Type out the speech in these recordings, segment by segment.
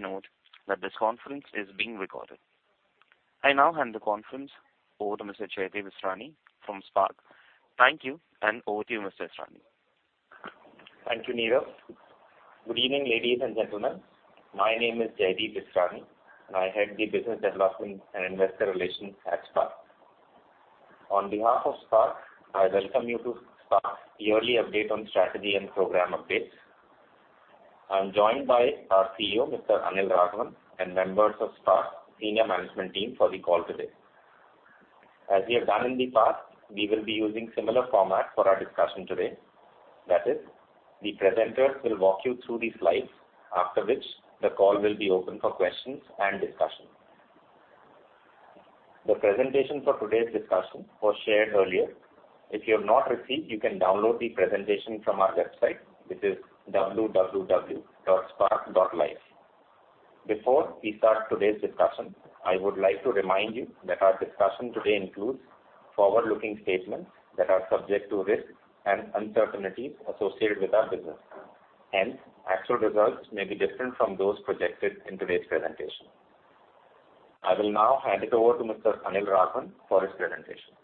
Please note that this conference is being recorded. I now hand the conference over to Mr. Jaydeep Issrani from SPARC. Thank you, and over to you, Mr. Issrani. Thank you, Neil. Good evening, ladies and gentlemen. My name is Jaydeep Issrani, and I head the Business Development and Investor Relations at SPARC. On behalf of SPARC, I welcome you to SPARC's yearly update on strategy and program updates. I'm joined by our CEO, Mr. Anil Raghavan, and members of SPARC senior management team for the call today. As we have done in the past, we will be using similar format for our discussion today. That is, the presenters will walk you through the slides, after which the call will be open for questions and discussion. The presentation for today's discussion was shared earlier. If you have not received, you can download the presentation from our website, which is www.sparc.life. Before we start today's discussion, I would like to remind you that our discussion today includes forward-looking statements that are subject to risks and uncertainties associated with our business, and actual results may be different from those projected in today's presentation. I will now hand it over to Mr. Anil Raghavan for his presentation.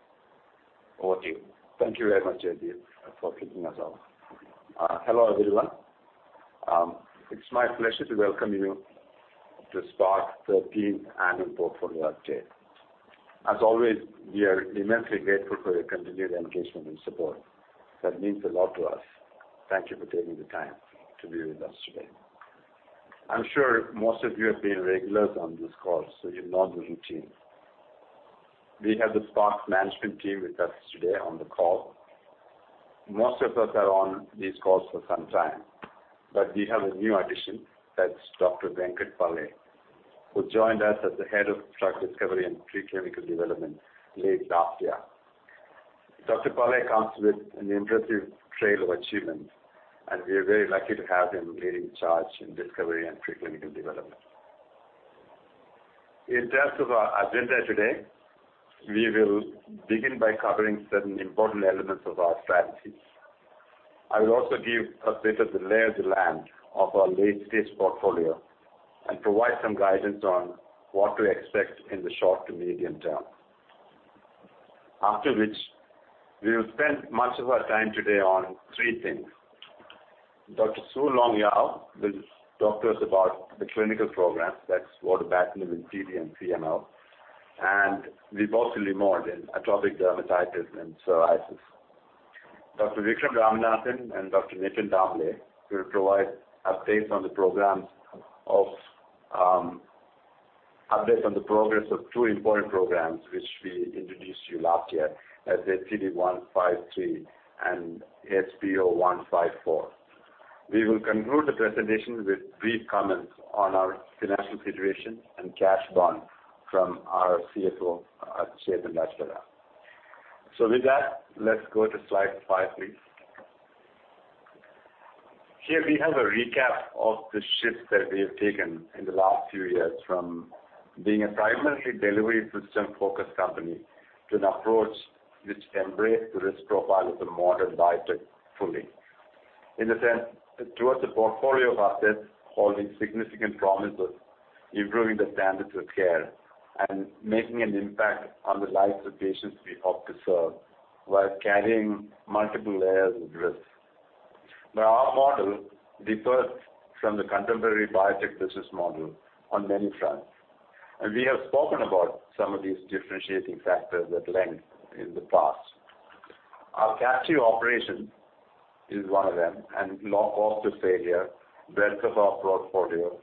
Over to you. Thank you very much, Jaydeep, for kicking us off. Hello, everyone. It's my pleasure to welcome you to SPARC 13th Annual Portfolio Update. As always, we are immensely grateful for your continued engagement and support. That means a lot to us. Thank you for taking the time to be with us today. I'm sure most of you have been regulars on this call, so you know the routine. We have the SPARC management team with us today on the call. Most of us are on these calls for some time, but we have a new addition, that's Dr. Venkat Palle, who joined us as the head of Drug Discovery and Preclinical Development late last year. Dr. Pallei comes with an impressive trail of achievement, and we are very lucky to have him leading charge in discovery and preclinical development. In terms of our agenda today, we will begin by covering certain important elements of our strategy. I will also give a bit of the lay of the land of our late-stage portfolio and provide some guidance on what to expect in the short to medium term. After which, we will spend much of our time today on three things. Dr. Siu-Long Yao will talk to us about the clinical programs, that's vodobatinib in PD and CML, and vipafoslin in atopic dermatitis and psoriasis. Dr. Vikram Ramanathan and Dr. Nitin Damle will provide updates on the programs of, update on the progress of two important programs, which we introduced you last year as SCD-153 and SBO-154. We will conclude the presentation with brief comments on our financial situation and cash burn from our CFO, Chetan Rajpara. With that, let's go to slide 5, please. Here we have a recap of the shifts that we have taken in the last few years, from being a primarily delivery system-focused company to an approach which embraced the risk profile of the modern biotech fully. In a sense, towards the portfolio of assets holding significant promises, improving the standards of care, and making an impact on the lives of patients we hope to serve, while carrying multiple layers of risk. But our model differs from the contemporary biotech business model on many fronts, and we have spoken about some of these differentiating factors at length in the past. Our capture operation is one of them, and low cost of failure, breadth of our portfolio,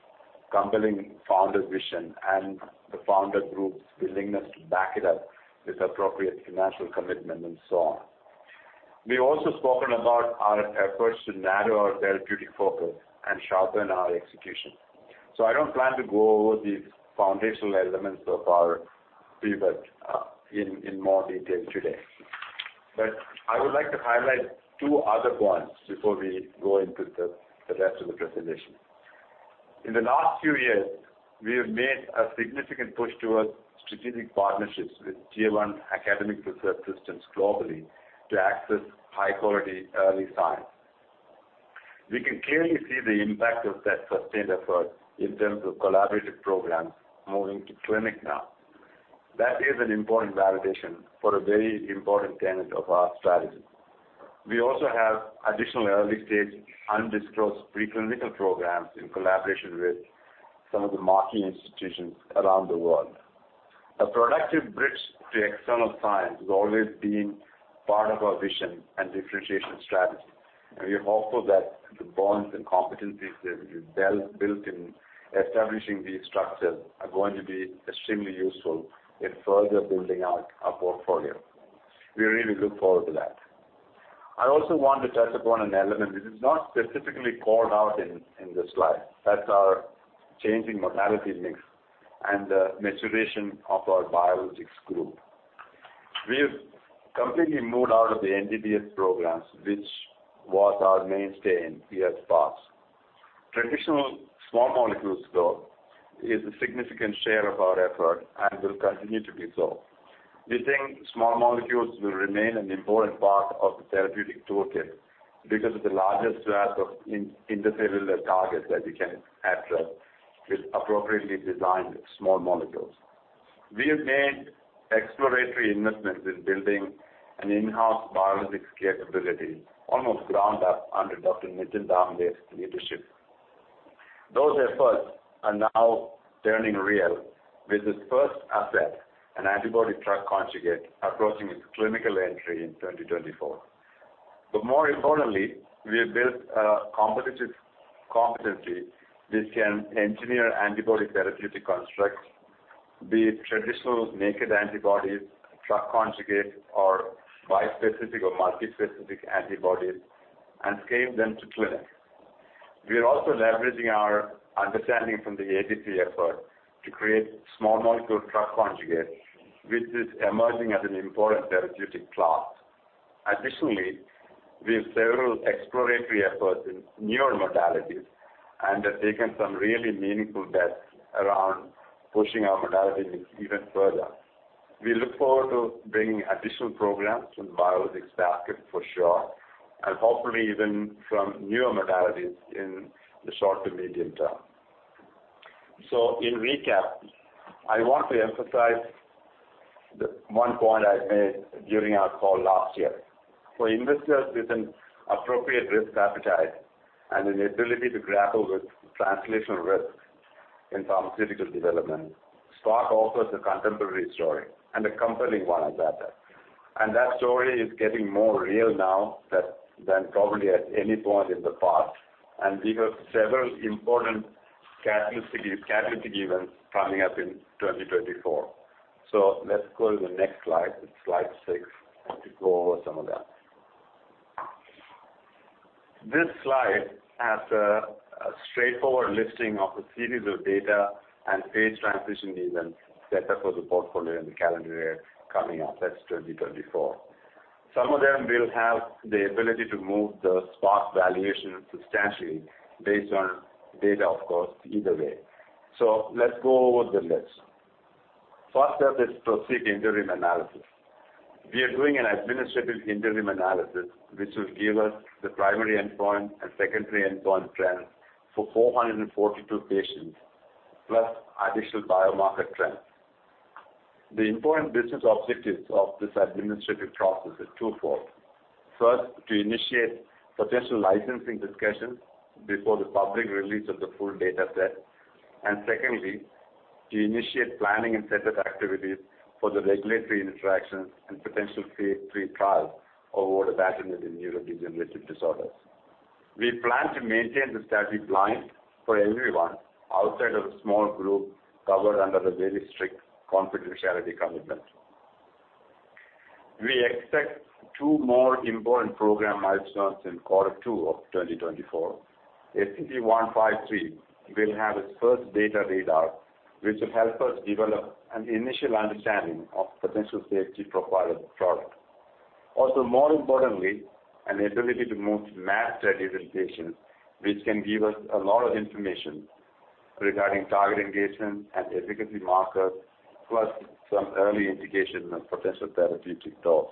compelling founder's vision, and the founder group's willingness to back it up with appropriate financial commitment, and so on. We've also spoken about our efforts to narrow our therapeutic focus and sharpen our execution. So I don't plan to go over these foundational elements of our pivot in more detail today. But I would like to highlight two other points before we go into the rest of the presentation. In the last few years, we have made a significant push towards strategic partnerships with tier-one academic research systems globally to access high-quality early science. We can clearly see the impact of that sustained effort in terms of collaborative programs moving to clinic now. That is an important validation for a very important tenet of our strategy. We also have additional early-stage, undisclosed preclinical programs in collaboration with some of the marquee institutions around the world. A productive bridge to external science has always been part of our vision and differentiation strategy, and we hope also that the bonds and competencies that we built in establishing these structures are going to be extremely useful in further building out our portfolio. We really look forward to that. I also want to touch upon an element which is not specifically called out in this slide. That's our changing modalities mix and the maturation of our biologics group. We've completely moved out of the NDDS programs, which was our mainstay in years past. Traditional small molecules, though, is a significant share of our effort and will continue to be so.... We think small molecules will remain an important part of the therapeutic toolkit because of the larger swath of intracellular targets that we can address with appropriately designed small molecules. We have made exploratory investments in building an in-house biologics capability, almost ground up under Dr. Nitin Damle's leadership. Those efforts are now turning real with this first asset, an antibody-drug conjugate, approaching its clinical entry in 2024. But more importantly, we have built a competitive competency which can engineer antibody therapeutic constructs, be it traditional naked antibodies, drug conjugates, or bispecific or multispecific antibodies, and scale them to clinic. We are also leveraging our understanding from the ADP effort to create small molecule drug conjugates, which is emerging as an important therapeutic class. Additionally, we have several exploratory efforts in newer modalities and have taken some really meaningful bets around pushing our modalities even further. We look forward to bringing additional programs from the biologics basket for sure, and hopefully even from newer modalities in the short to medium term. So, in recap, I want to emphasize the one point I made during our call last year. For investors with an appropriate risk appetite and an ability to grapple with translational risks in pharmaceutical development, SPARC offers a contemporary story and a compelling one at that. And that story is getting more real now than, than probably at any point in the past, and we have several important catalyst, catalytic events coming up in 2024. So let's go to the next slide, it's slide six. I want to go over some of that. This slide has a, a straightforward listing of the series of data and phase transition events set up for the portfolio in the calendar year coming up, that's 2024. Some of them will have the ability to move the SPARC valuation substantially based on data, of course, either way. So let's go over the list. First up is PROSEEK interim analysis. We are doing an administrative interim analysis, which will give us the primary endpoint and secondary endpoint trends for 442 patients, plus additional biomarker trends. The important business objectives of this administrative process is twofold. First, to initiate potential licensing discussions before the public release of the full data set, and secondly, to initiate planning and setup activities for the regulatory interactions and potential phase III trials of vodobatinib in neurodegenerative disorders. We plan to maintain the study blind for everyone outside of a small group covered under a very strict confidentiality commitment. We expect two more important program milestones in quarter two of 2024. SCD-153 will have its first data read out, which will help us develop an initial understanding of potential safety profile of the product. Also, more importantly, an ability to move to mass steady-state patients, which can give us a lot of information regarding target engagement and efficacy markers, plus some early indication of potential therapeutic dose.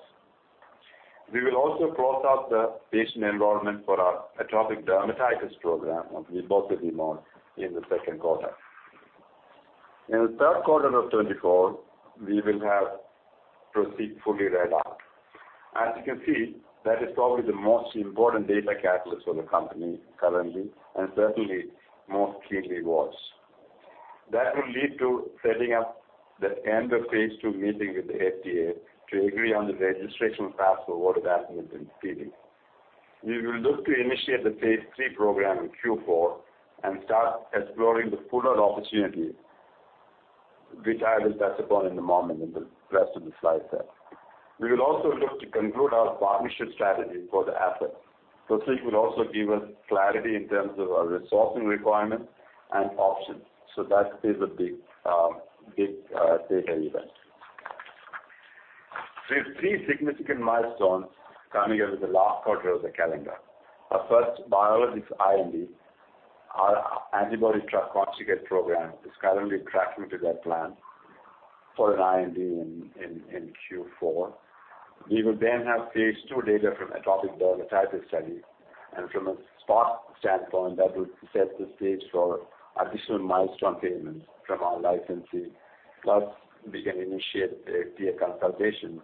We will also cross out the patient enrollment for our atopic dermatitis program, which we'll talk a bit more in the Q2. In the Q3 of 2024, we will have PROSEEK fully read out. As you can see, that is probably the most important data catalyst for the company currently, and certainly most clearly was. That will lead to setting up the end of phase II meeting with the FDA to agree on the registrational path for vodobatinib. We will look to initiate the phase III program in Q4 and start exploring the fuller opportunity, which I will touch upon in a moment in the rest of the slide set. We will also look to conclude our partnership strategy for the asset. PROSEEK will also give us clarity in terms of our resourcing requirements and options. So that is a big data event. We have three significant milestones coming up in the last quarter of the calendar. Our first biologics IND, our antibody-drug conjugate program, is currently tracking to that plan for an IND in Q4. We will then have phase II data from atopic dermatitis study, and from a SPARC standpoint, that will set the stage for additional milestone payments from our licensee, plus we can initiate a PA consultation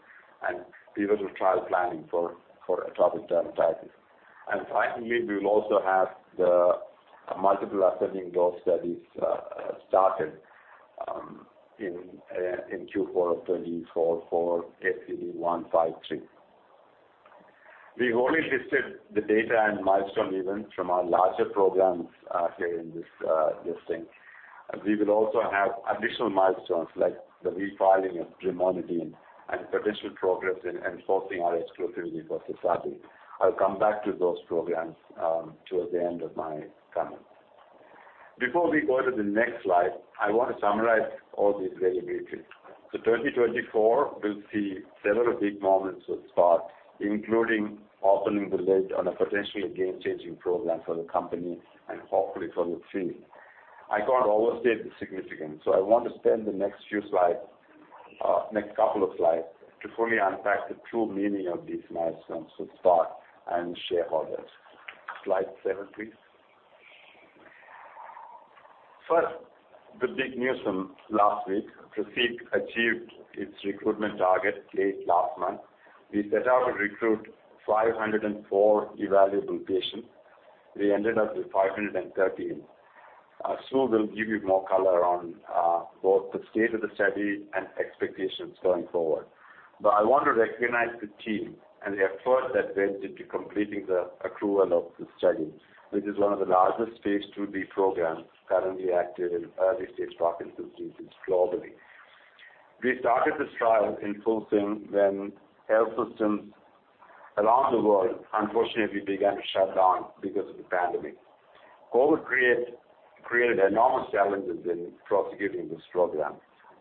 and pivotal trial planning for atopic dermatitis. And finally, we will also have the multiple ascending dose studies started in Q4 of 2024 for SCD-153. We've only listed the data and milestone events from our larger programs, here in this thing. We will also have additional milestones like the refiling of dronedarone and potential progress in enforcing our exclusivity for Sezaby. I'll come back to those programs, towards the end of my comments. Before we go to the next slide, I want to summarize all this very briefly. So 2024, we'll see several big moments with SPARC, including opening the lid on a potentially game-changing program for the company and hopefully for the field.... I can't overstate the significance, so I want to spend the next few slides, next couple of slides, to fully unpack the true meaning of these milestones with SPARC and shareholders. Slide seven, please. First, the big news from last week, PROSEEK achieved its recruitment target late last month. We set out to recruit 504 evaluable patients. We ended up with 513. Su will give you more color on both the state of the study and expectations going forward. But I want to recognize the team and the effort that went into completing the accrual of the study. This is one of the largest phase IIB programs currently active in early-stage Parkinson's disease globally. We started this trial in full swing when health systems around the world, unfortunately, began to shut down because of the pandemic. COVID created enormous challenges in prosecuting this program.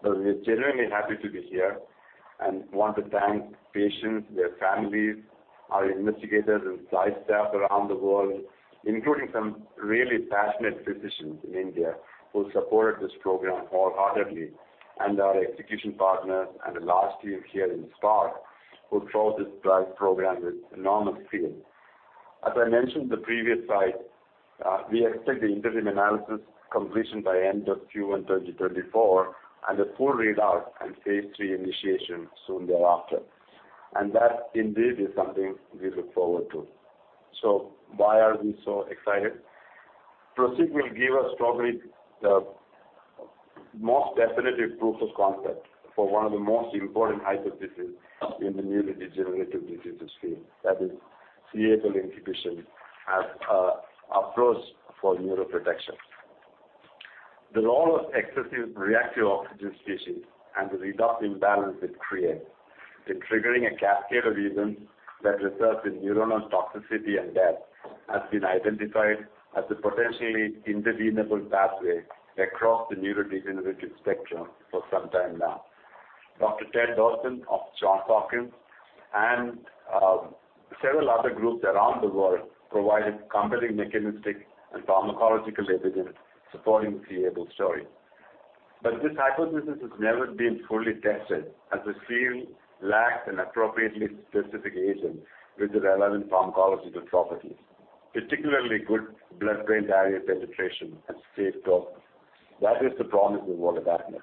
So we're genuinely happy to be here and want to thank patients, their families, our investigators, and site staff around the world, including some really passionate physicians in India, who supported this program wholeheartedly, and our execution partners and the large team here in SPARC, who drove this drive program with enormous skill. As I mentioned in the previous slide, we expect the interim analysis completion by end of Q1 2024, and the full readout and phase III initiation soon thereafter. That indeed is something we look forward to. So why are we so excited? PROSEEK will give us probably the most definitive proof of concept for one of the most important hypotheses in the neurodegenerative diseases field, that is, c-Abl inhibition as, approach for neuroprotection. The role of excessive reactive oxygen species and the redox imbalance it creates in triggering a cascade of events that results in neuronal toxicity and death, has been identified as a potentially intervenable pathway across the neurodegenerative spectrum for some time now. Dr. Ted Dawson of Johns Hopkins and several other groups around the world provided compelling mechanistic and pharmacological evidence supporting the Abl story. But this hypothesis has never been fully tested, as the field lacked an appropriately specific agent with the relevant pharmacological properties, particularly good blood-brain barrier penetration and safe dose. That is the promise of vodobatinib.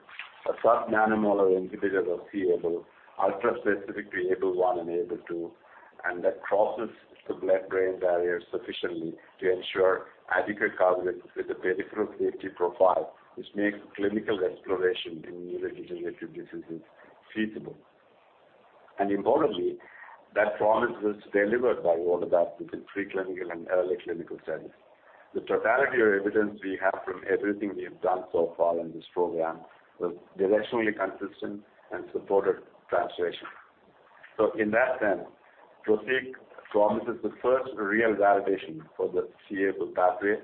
A sub-nanomolar inhibitor of c-Abl, ultra-specific to Abl1 and Abl2, and that crosses the blood-brain barrier sufficiently to ensure adequate coverage with a peripheral safety profile, which makes clinical exploration in neurodegenerative diseases feasible. And importantly, that promise was delivered by vodobatinib in preclinical and early clinical studies. The totality of evidence we have from everything we have done so far in this program was directionally consistent and supported translation. So in that sense, PROSEEK promises the first real validation for the c-Abl pathway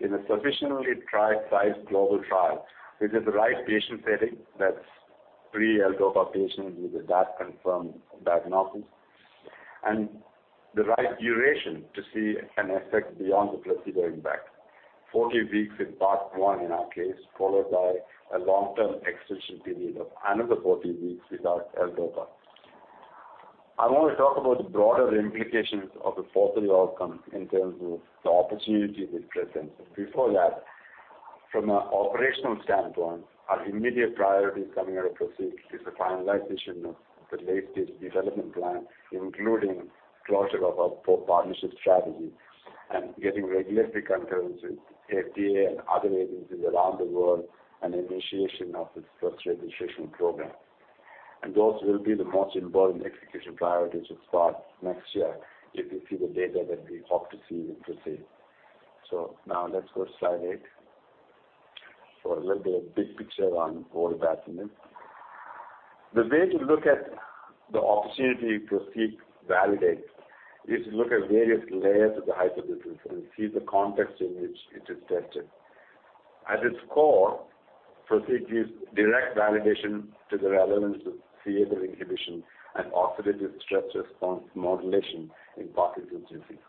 in a sufficiently trial-sized global trial. With the right patient setting, that's pre-L-DOPA patients with a DaT confirmed diagnosis, and the right duration to see an effect beyond the placebo impact. 40 weeks in Part One in our case, followed by a long-term extension period of another 40 weeks without L-DOPA. I want to talk about the broader implications of the positive outcome in terms of the opportunities it presents. But before that, from an operational standpoint, our immediate priority coming out of PROSEEK is the finalization of the late-stage development plan, including closure of our partnership strategy and getting regulatory clearances, FDA and other agencies around the world, and initiation of this first registration program. And those will be the most important execution priorities of SPARC next year, if you see the data that we hope to see in PROSEEK. So now let's go to slide eight. For a little bit of big picture on vodobatinib. The way to look at the opportunity PROSEEK validates is to look at various layers of the hypothesis and see the context in which it is tested. At its core, PROSEEK gives direct validation to the relevance of c-Abl inhibition and oxidative stress response modulation in Parkinson's disease.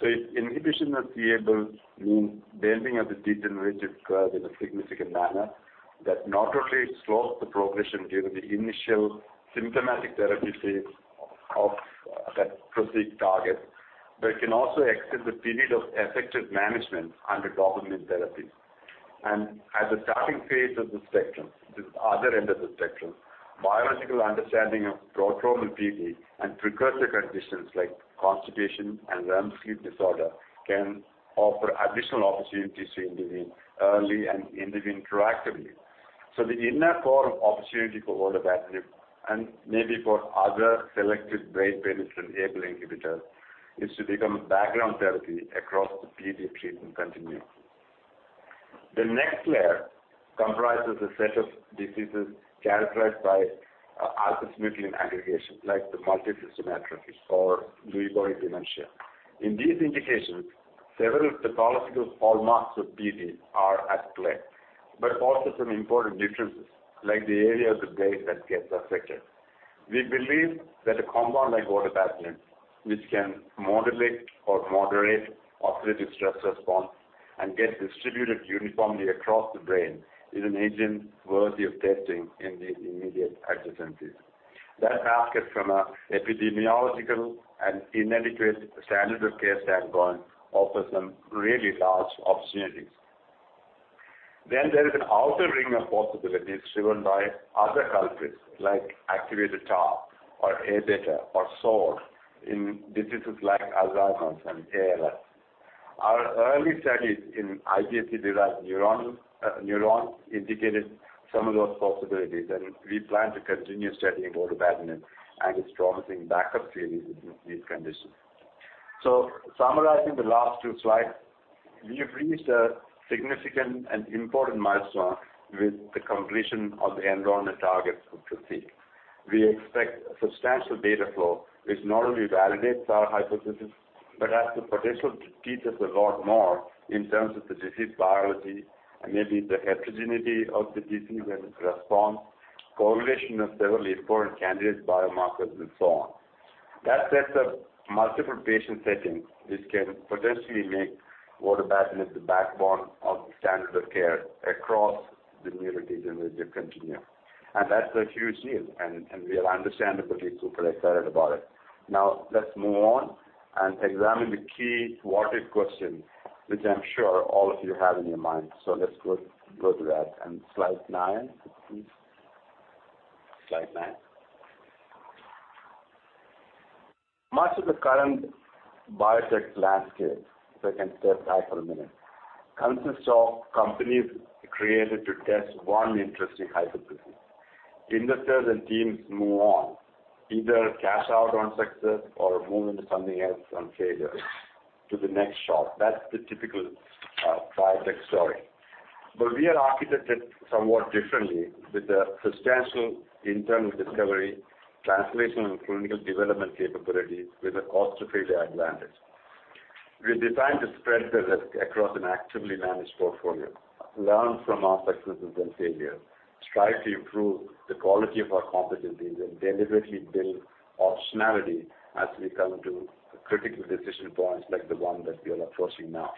So if inhibition of c-Abl means bending of the degenerative curve in a significant manner, that not only slows the progression during the initial symptomatic therapy phase of that PROSEEK target, but it can also extend the period of effective management under dopamine therapy. And at the starting phase of the spectrum, the other end of the spectrum, biological understanding of prodromal PD and precursor conditions like constipation and REM sleep behavior disorder, can offer additional opportunities to intervene early and intervene proactively. So the inner core of opportunity for vodobatinib, and maybe for other selected brain-penetrant Abl inhibitors, is to become a background therapy across the PD treatment continuum. The next layer comprises a set of diseases characterized by alpha-synuclein aggregation, like the multiple system atrophy or Lewy body dementia. In these indications, several pathological hallmarks of PD are at play. but also some important differences, like the area of the brain that gets affected. We believe that a compound like vodobatinib, which can modulate or moderate oxidative stress response and get distributed uniformly across the brain, is an agent worthy of testing in the immediate adjacent disease. That aspect, from an epidemiological and inadequate standard of care standpoint, offers some really large opportunities. Then there is an outer ring of possibilities driven by other culprits, like activated Tau or A-beta or SORD in diseases like Alzheimer's and ALS. Our early studies in iPSC-derived neurons indicated some of those possibilities, and we plan to continue studying vodobatinib and its promising backup theories in these conditions. So summarizing the last two slides, we have reached a significant and important milestone with the completion of the enrollment targets for PROSEEK. We expect substantial data flow, which not only validates our hypothesis, but has the potential to teach us a lot more in terms of the disease biology and maybe the heterogeneity of the disease and its response, correlation of several important candidate biomarkers, and so on. That sets up multiple patient settings, which can potentially make vodobatinib the backbone of standard of care across the neurodegenerative continuum. And that's a huge deal, and, and we are understandably super excited about it. Now, let's move on and examine the key watered question, which I'm sure all of you have in your mind. So let's go, go to that, and slide nine, please. Slide nine. Much of the current biotech landscape, if I can step back for a minute, consists of companies created to test 1 interesting hypothesis. Investors and teams move on, either cash out on success or move into something else on failure, to the next shop. That's the typical biotech story. But we are architected somewhat differently with a substantial internal discovery, translational and clinical development capabilities with a cost to failure advantage. We're designed to spread the risk across an actively managed portfolio, learn from our successes and failures, strive to improve the quality of our competencies, and deliberately build optionality as we come to critical decision points like the one that we are approaching now.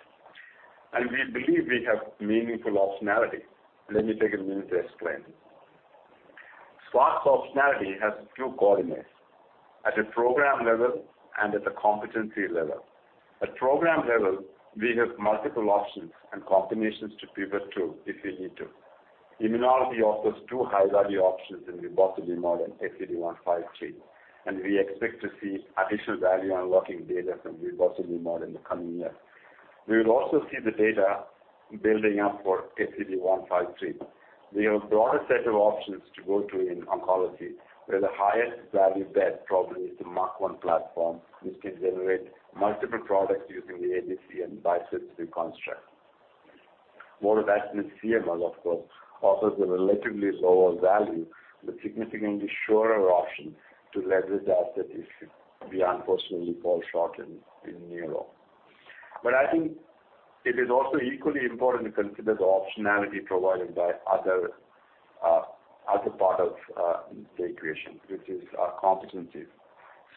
And we believe we have meaningful optionality. Let me take a minute to explain. SPARC optionality has two coordinates: at a program level and at a competency level. At program level, we have multiple options and combinations to pivot to, if we need to. Immunology offers two high-value options in vipafoslin and SCD-153, and we expect to see additional value unlocking data from vipafoslin in the coming years. We will also see the data building up for SCD-153. We have a broader set of options to go to in oncology, where the highest value bet probably is the MAC-1 platform, which can generate multiple products using the ADC and bispecific construct. Vodobatinib CML, of course, offers a relatively lower value, but significantly surer option to leverage the asset if we unfortunately fall short in neuro. But I think it is also equally important to consider the optionality provided by other, other part of value creation, which is our competencies.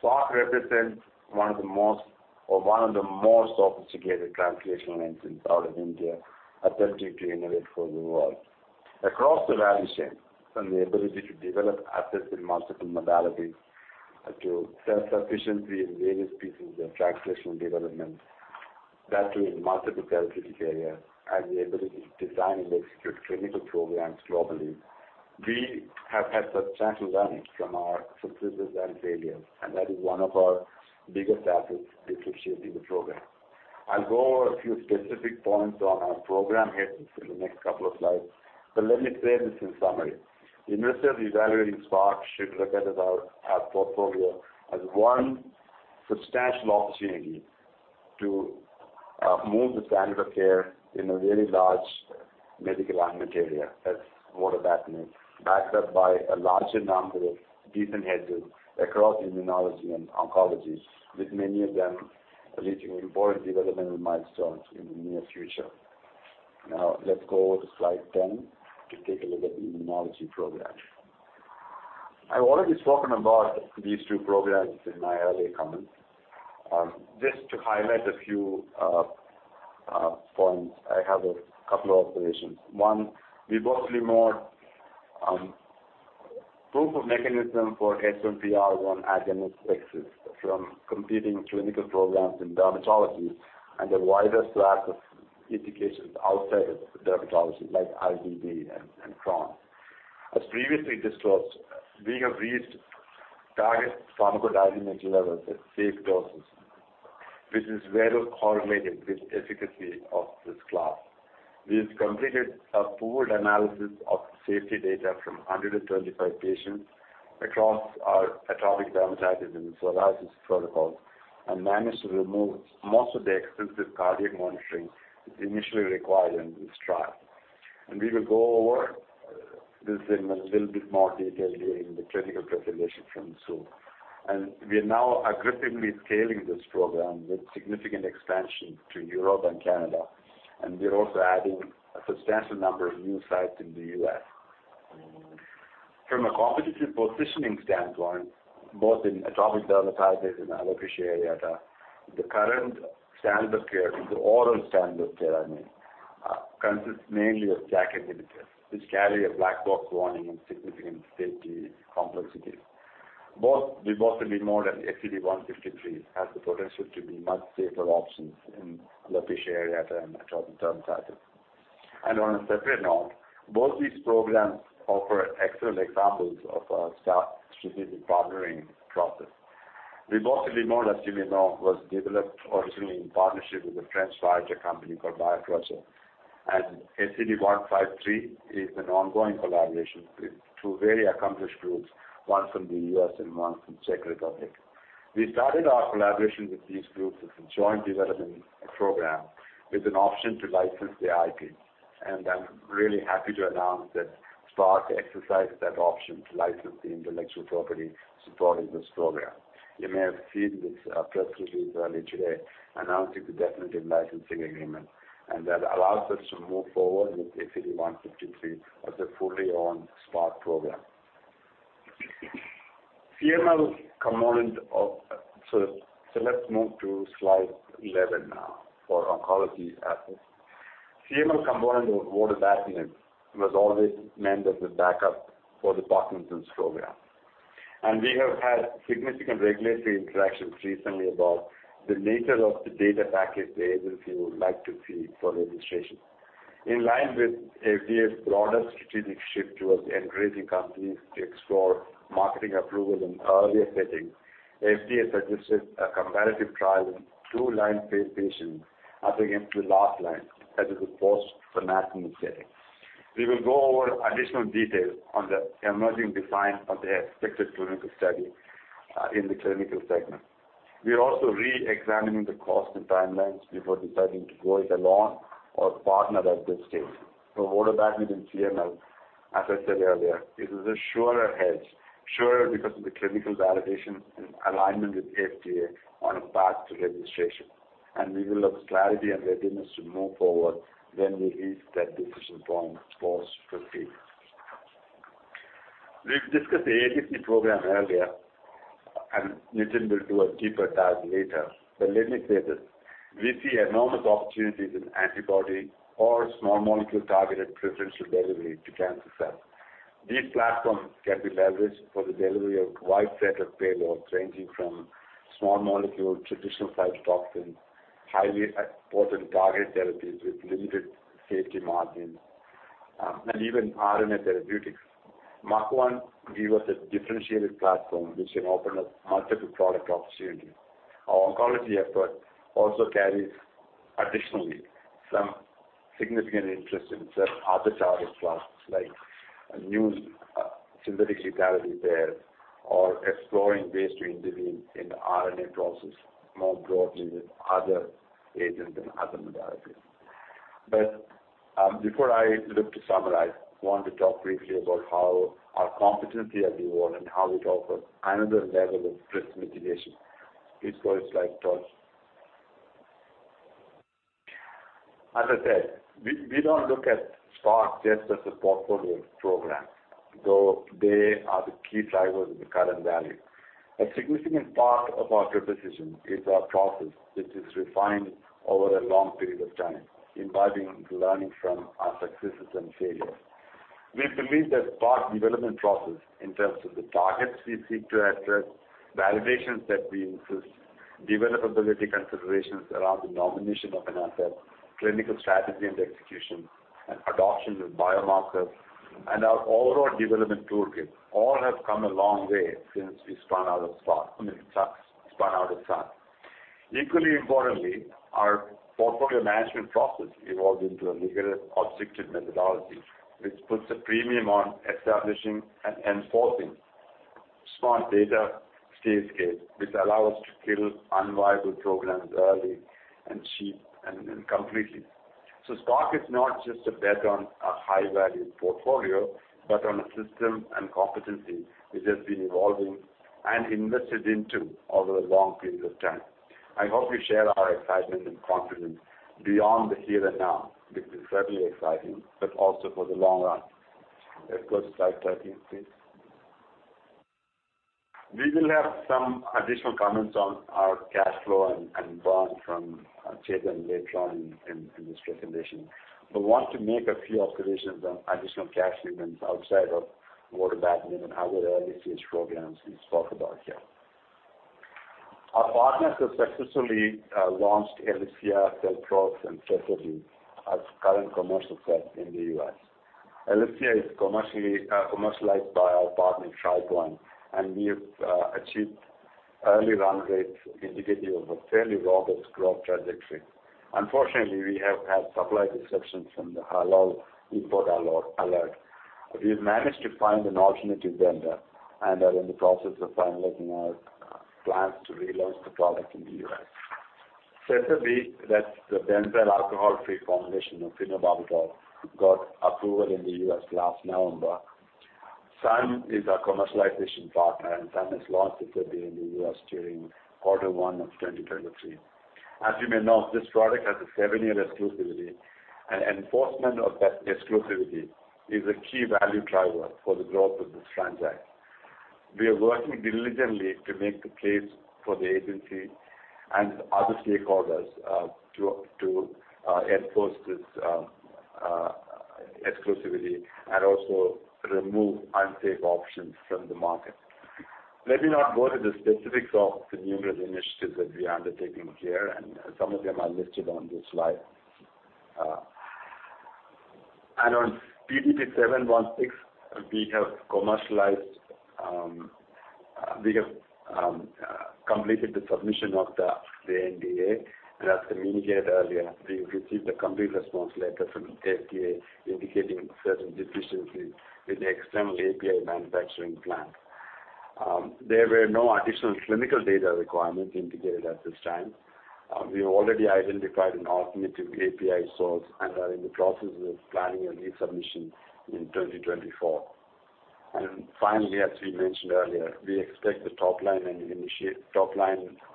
SPARC represents one of the most or one of the most sophisticated translational engines out of India, attempting to innovate for the world. Across the value chain, from the ability to develop assets in multiple modalities, to self-sufficiency in various pieces of translational development, back to in multiple therapeutic areas, and the ability to design and execute clinical programs globally. We have had substantial learnings from our successes and failures, and that is one of our biggest assets differentiating the program. I'll go over a few specific points on our program here in the next couple of slides, but let me say this in summary. Investors evaluating SPARC should look at it, our, our portfolio, as one substantial opportunity to, move the standard of care in a very large medical unmet area. That's vodobatinib, backed up by a larger number of different hedges across immunology and oncology, with many of them reaching important developmental milestones in the near future. Now, let's go to slide 10 to take a look at the immunology program. I've already spoken about these two programs in my earlier comments. Just to highlight a few points, I have a couple of observations. One, vipafoslin, proof of mechanism for S1P1R agonist exists from competing clinical programs in dermatology and a wider swath of indications outside of dermatology, like IBD and Crohn's. As previously disclosed, we have reached target pharmacodynamic levels at safe doses, which is well correlated with efficacy of this class. We've completed a pooled analysis of safety data from 125 patients across our atopic dermatitis and psoriasis protocols, and managed to remove most of the extensive cardiac monitoring initially required in this trial. We will go over this in a little bit more detail during the clinical presentation from Siu. And we are now aggressively scaling this program with significant expansion to Europe and Canada, and we are also adding a substantial number of new sites in the U.S. From a competitive positioning standpoint, both in atopic dermatitis and alopecia areata, the current standard of care, the oral standard of care, I mean, consists mainly of JAK inhibitors, which carry a black box warning and significant safety complexities. Both vipafoslin and SCD-153 has the potential to be much safer options in alopecia areata and atopic dermatitis. And on a separate note, both these programs offer excellent examples of our SPARC strategic partnering process. Vipafoslin, as you may know, was developed originally in partnership with a French biotech company called Biocystex, and SCD-153 is an ongoing collaboration with two very accomplished groups, one from the U.S. and one from Czech Republic. We started our collaboration with these groups as a joint development program with an option to license the IP, and I'm really happy to announce that SPARC exercised that option to license the intellectual property supporting this program. You may have seen this, press release earlier today announcing the definitive licensing agreement, and that allows us to move forward with SCD-153 as a fully owned SPARC program. So, let's move to slide 11 now for oncology efforts. CML component of vodobatinib was always meant as a backup for the Parkinson's program. And we have had significant regulatory interactions recently about the nature of the data package the agency would like to see for registration. In line with FDA's broader strategic shift towards encouraging companies to explore marketing approval in earlier settings, FDA suggested a comparative trial in two line failed patients up against the last line, that is, the post-ponatinib settings. We will go over additional details on the emerging design of the expected clinical study in the clinical segment. We are also reexamining the cost and timelines before deciding to go it alone or partner at this stage. So vodobatinib in CML, as I said earlier, is a surer hedge. Surer because of the clinical validation and alignment with FDA on a path to registration, and we will have clarity and readiness to move forward when we reach that decision point pause to proceed. We've discussed the ADC program earlier, and Nitin will do a deeper dive later. But let me say this, we see enormous opportunities in antibody or small molecule-targeted preferential delivery to cancer cells. These platforms can be leveraged for the delivery of a wide set of payloads, ranging from small molecule, traditional cytotoxins, highly potent targeted therapies with limited safety margins, and even RNA therapeutics. MAC-1 give us a differentiated platform, which can open up multiple product opportunities. Our oncology effort also carries additionally some significant interest in certain other target classes, like new, synthetic vitality pairs or exploring ways to intervene in the RNA process more broadly with other agents and other modalities. But, before I look to summarize, I want to talk briefly about how our competency has evolved and how it offers another level of risk mitigation. Please go to slide 12. As I said, we don't look at SPARC just as a portfolio program, though they are the key drivers of the current value. A significant part of our proposition is our process, which is refined over a long period of time, involving learning from our successes and failures. We believe that SPARC development process, in terms of the targets we seek to address, validations that we insist, developability considerations around the nomination of an asset, clinical strategy and execution, and adoption of biomarkers, and our overall development toolkit, all have come a long way since we spun out of SPARC, I mean, SPARC, spun out of SPARC. Equally importantly, our portfolio management process evolved into a rigorous, objective methodology, which puts a premium on establishing and enforcing smart data scale gate, which allow us to kill unviable programs early and cheap and completely. So SPARC is not just a bet on a high-value portfolio, but on a system and competency which has been evolving and invested into over a long period of time. I hope you share our excitement and confidence beyond the here and now, which is certainly exciting, but also for the long run. Let's go to slide 13, please. We will have some additional comments on our cash flow and bond from Chetan later on in this presentation. But want to make a few observations on additional cash movements outside of vorapaxin and our early-stage programs we've talked about here. Our partners have successfully launched Elyxyb, Xelpros and Sezaby as current commercial products in the U.S. Elyxyb is commercially commercialized by our partner, TriLine, and we've achieved early run rates indicative of a fairly robust growth trajectory. Unfortunately, we have had supply disruptions from the Halol import alert. We've managed to find an alternative vendor and are in the process of finalizing our plans to relaunch the product in the US. Certainly, that's the benzyl alcohol-free formulation of phenobarbital got approval in the US last November. Sun is our commercialization partner, and Sun has launched it again in the US during Q1 2023. As you may know, this product has a seven-year exclusivity, and enforcement of that exclusivity is a key value driver for the growth of this asset. We are working diligently to make the case for the agency and other stakeholders to enforce this exclusivity and also remove unsafe options from the market. Let me not go to the specifics of the numerous initiatives that we are undertaking here, and some of them are listed on this slide. On PDP-716, we have completed the submission of the NDA. As I indicated earlier, we received a complete response letter from the FDA indicating certain deficiencies in the external API manufacturing plant. There were no additional clinical data requirements indicated at this time. We have already identified an alternative API source and are in the process of planning a resubmission in 2024. And finally, as we mentioned earlier, we expect the topline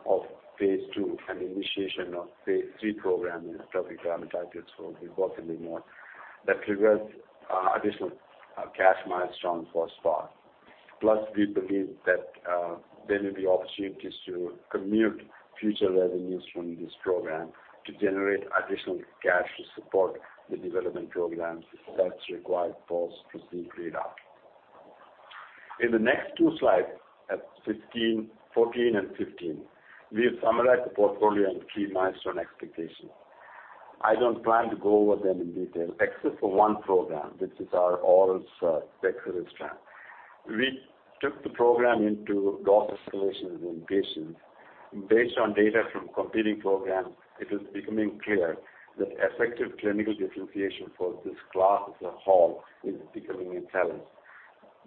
of phase II and initiation of phase III program in atopic dermatitis will be out a little more. That triggers additional cash milestone for SPARC. Plus, we believe that there may be opportunities to commute future revenues from this program to generate additional cash to support the development programs that's required for us to seek readout. In the next two slides, at 15, 14, and 15, we have summarized the portfolio and key milestone expectations. I don't plan to go over them in detail, except for one program, which is our oral dexamethasone strand. We took the program into dose escalations in patients. Based on data from competing programs, it is becoming clear that effective clinical differentiation for this class as a whole is becoming a challenge.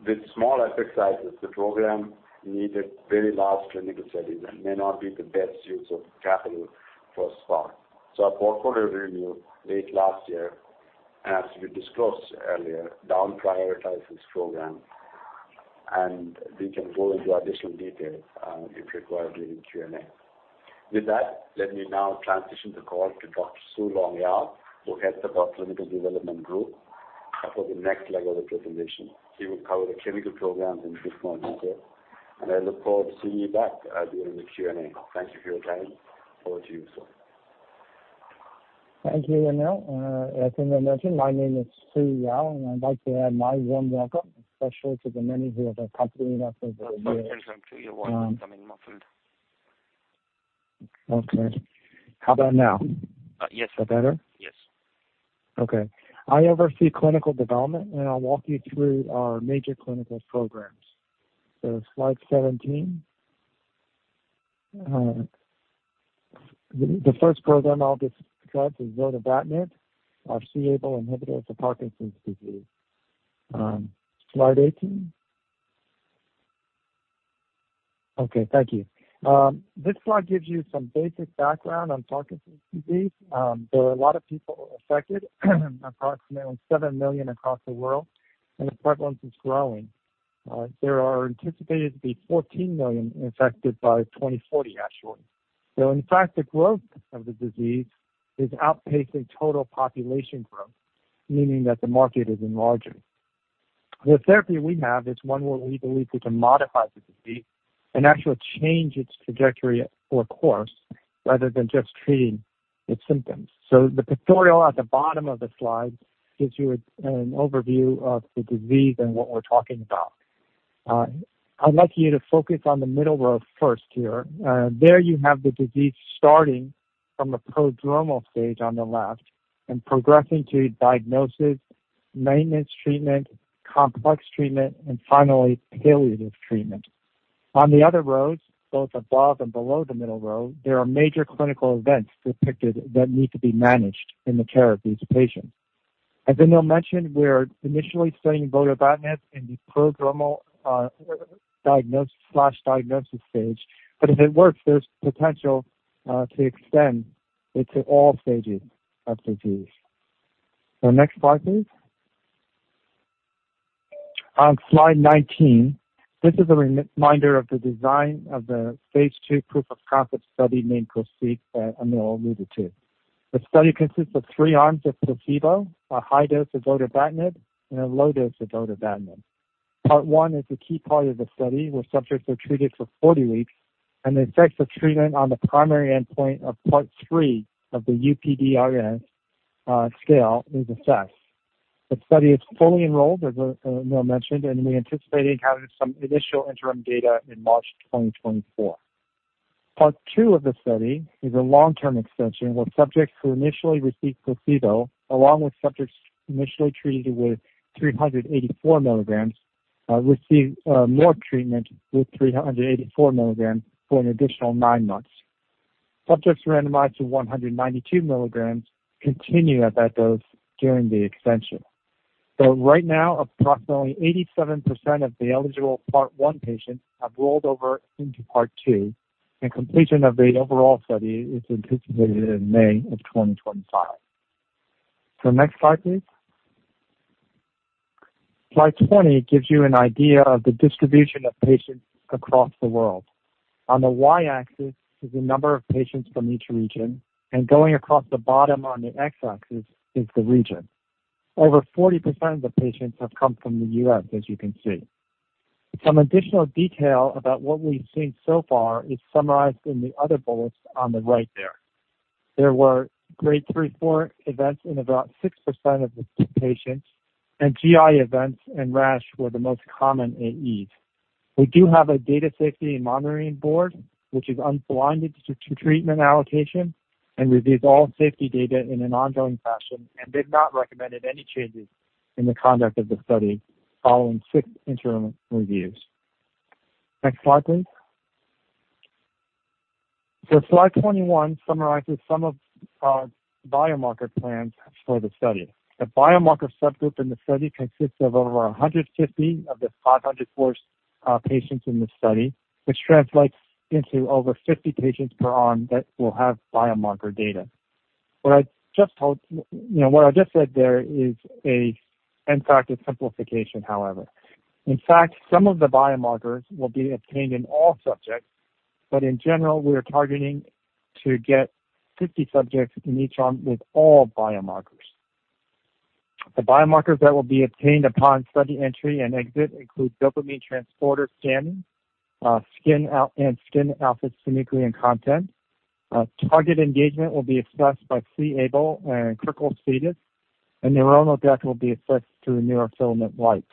With small effect sizes, the program needed very large clinical studies and may not be the best use of capital for SPARC. Our portfolio review late last year, and as we disclosed earlier, down prioritized this program, and we can go into additional detail if required during the Q&A. With that, let me now transition the call to Dr. Siu-Long Yao, who heads our Clinical Development Group, for the next leg of the presentation. He will cover the clinical programs in much more detail, and I look forward to seeing you back during the Q&A. Thank you for your time. Over to you, Sul. Thank you, Anil. As Anil mentioned, my name is Siu-Long Yao, and I'd like to add my warm welcome, especially to the many who have been accompanying us over the years. Sorry, I can't hear you well. I'm coming more clear. Okay. How about now? Uh, yes. Is that better? Yes. Okay. I oversee clinical development, and I'll walk you through our major clinical programs. So slide 17. The first program I'll describe is vodobatinib, our c-Abl inhibitor for Parkinson's disease. Slide 18. Okay, thank you. This slide gives you some basic background on Parkinson's disease. There are a lot of people affected, approximately 7 million across the world, and the prevalence is growing. There are anticipated to be 14 million infected by 2040, actually. So in fact, the growth of the disease is outpacing total population growth, meaning that the market is enlarging. The therapy we have is one where we believe we can modify the disease and actually change its trajectory or course, rather than just treating its symptoms. So the pictorial at the bottom of the slide gives you an overview of the disease and what we're talking about. I'd like you to focus on the middle row first here. There you have the disease starting from a prodromal stage on the left and progressing to diagnosis, maintenance treatment, complex treatment, and finally, palliative treatment. On the other rows, both above and below the middle row, there are major clinical events depicted that need to be managed in the care of these patients. As Anil mentioned, we're initially studying vodobatinib in the prodromal, diagnose/diagnosis stage, but if it works, there's potential to extend it to all stages of the disease. So next slide, please. On slide 19, this is a reminder of the design of the phase II proof of concept study named PROSEEK, Anil alluded to. The study consists of three arms of placebo, a high dose of vodobatinib, and a low dose of vodobatinib. Part one is the key part of the study, where subjects are treated for 40 weeks, and the effects of treatment on the primary endpoint of part three of the UPDRS scale is assessed. The study is fully enrolled, as Anil mentioned, and we anticipate having some initial interim data in March 2024. Part two of the study is a long-term extension, where subjects who initially received placebo, along with subjects initially treated with 384 milligrams, receive more treatment with 384 milligrams for an additional nine months. Subjects randomized to 192 milligrams continue at that dose during the extension. So right now, approximately 87% of the eligible Part One patients have rolled over into Part Two, and completion of the overall study is anticipated in May 2025. So next slide, please. Slide 20 gives you an idea of the distribution of patients across the world. On the Y-axis is the number of patients from each region, and going across the bottom on the X-axis is the region. Over 40% of the patients have come from the U.S., as you can see. Some additional detail about what we've seen so far is summarized in the other bullets on the right there. There were grade 3, 4 events in about 6% of the patients, and GI events and rash were the most common in EE. We do have a data safety and monitoring board, which is unblinded to treatment allocation and reviews all safety data in an ongoing fashion, and they've not recommended any changes in the conduct of the study following 6 interim reviews. Next slide, please. So slide 21 summarizes some of our biomarker plans for the study. The biomarker subgroup in the study consists of over 150 of the 500 course, patients in the study, which translates into over 50 patients per arm that will have biomarker data. What I just told— You know, what I just said there is a, in fact, a simplification, however. In fact, some of the biomarkers will be obtained in all subjects, but in general, we are targeting to get 50 subjects in each arm with all biomarkers. The biomarkers that will be obtained upon study entry and exit include dopamine transporter scanning, skin out and skin alpha-synuclein content. Target engagement will be assessed by c-Abl and CSF status, and neuronal death will be assessed through neurofilament light.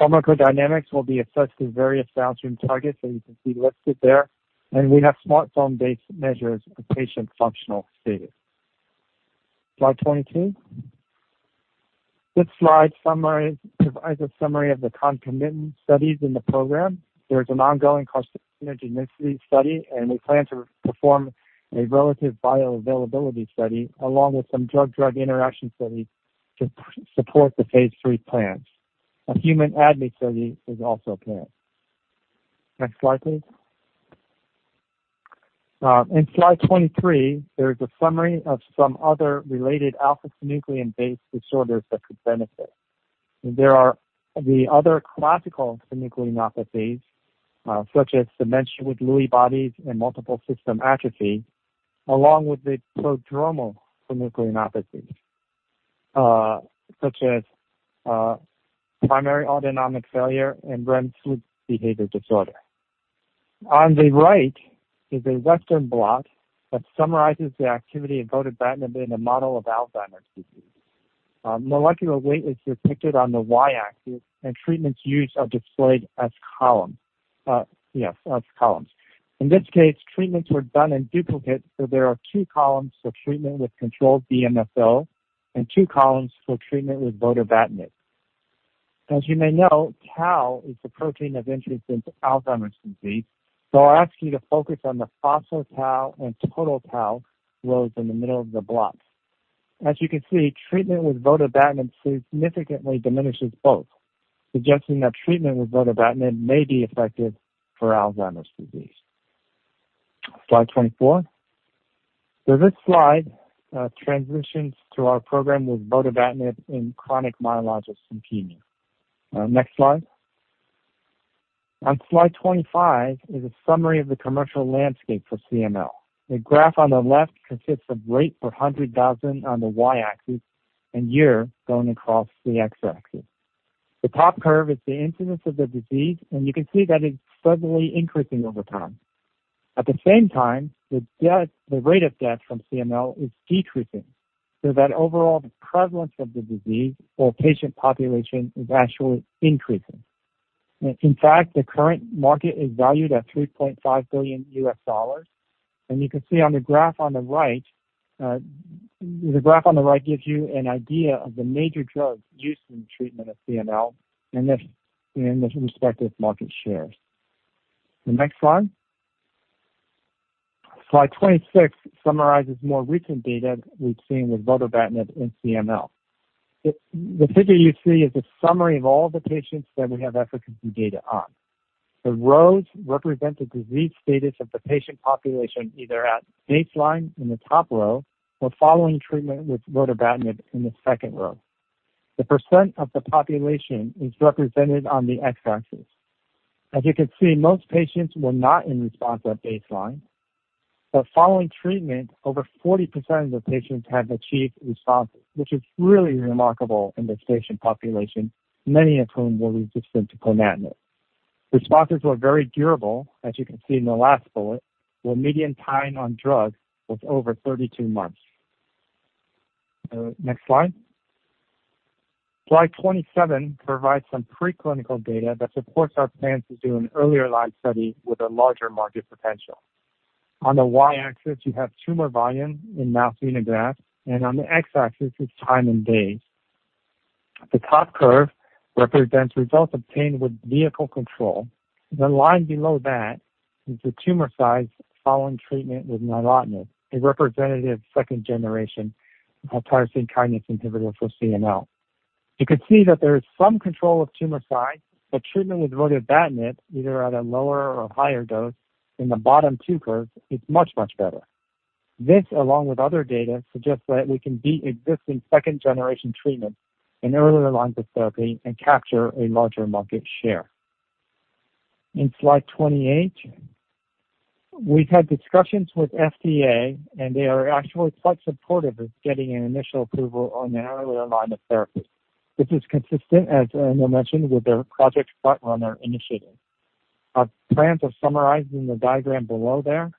Pharmacodynamics will be assessed through various downstream targets that you can see listed there, and we have smartphone-based measures of patient functional status. Slide 22. This slide summarizes, provides a summary of the concomitant studies in the program. There is an ongoing cost density study, and we plan to perform a relative bioavailability study, along with some drug-drug interaction studies to support the phase III plans. A human ADME study is also planned. Next slide, please. In slide 23, there is a summary of some other related alpha-synuclein-based disorders that could benefit. There are the other classical synucleinopathies, such as dementia with Lewy bodies and multiple system atrophy, along with the prodromal synucleinopathies, such as primary autonomic failure and REM sleep behavior disorder. On the right is a western blot that summarizes the activity of vodobatinib in a model of Alzheimer's disease. Molecular weight is depicted on the Y-axis, and treatments used are displayed as columns, as columns. In this case, treatments were done in duplicate, so there are two columns for treatment with controlled DMFO and two columns for treatment with vodobatinib. As you may know, tau is the protein of interest in Alzheimer's disease, so I'll ask you to focus on the phospho-tau and total tau rows in the middle of the block. As you can see, treatment with vodobatinib significantly diminishes both, suggesting that treatment with vodobatinib may be effective for Alzheimer's disease. Slide 24. So this slide, transitions to our program with vodobatinib in chronic myelogenous leukemia. Next slide. On slide 25 is a summary of the commercial landscape for CML. The graph on the left consists of rate per 100,000 on the Y-axis and year going across the X-axis. The top curve is the incidence of the disease, and you can see that it's steadily increasing over time. At the same time, the death, the rate of death from CML is decreasing, so that overall, the prevalence of the disease or patient population is actually increasing. In fact, the current market is valued at $3.5 billion, and you can see on the graph on the right, the graph on the right gives you an idea of the major drugs used in the treatment of CML and their, and their respective market shares. The next slide. Slide 26 summarizes more recent data we've seen with vodobatinib in CML. The, the figure you see is a summary of all the patients that we have efficacy data on. The rows represent the disease status of the patient population, either at baseline in the top row or following treatment with vodobatinib in the second row. The percent of the population is represented on the X-axis. As you can see, most patients were not in response at baseline, but following treatment, over 40% of the patients have achieved responses, which is really remarkable in this patient population, many of whom were resistant to ponatinib. Responses were very durable, as you can see in the last bullet, where median time on drug was over 32 months. Next slide. Slide 27 provides some preclinical data that supports our plan to do an earlier life study with a larger market potential. On the Y-axis, you have tumor volume in mouse xenograft, and on the X-axis is time and days. The top curve represents results obtained with vehicle control. The line below that is the tumor size following treatment with nilotinib, a representative second-generation tyrosine kinase inhibitor for CML. You can see that there is some control of tumor size, but treatment with vodobatinib, either at a lower or higher dose in the bottom two curves, is much, much better. This, along with other data, suggests that we can beat existing second-generation treatments in earlier lines of therapy and capture a larger market share. In slide 28, we've had discussions with FDA, and they are actually quite supportive of getting an initial approval on an earlier line of therapy. This is consistent, as Anil mentioned, with their Project Frontrunner initiative. Our plans are summarized in the diagram below there,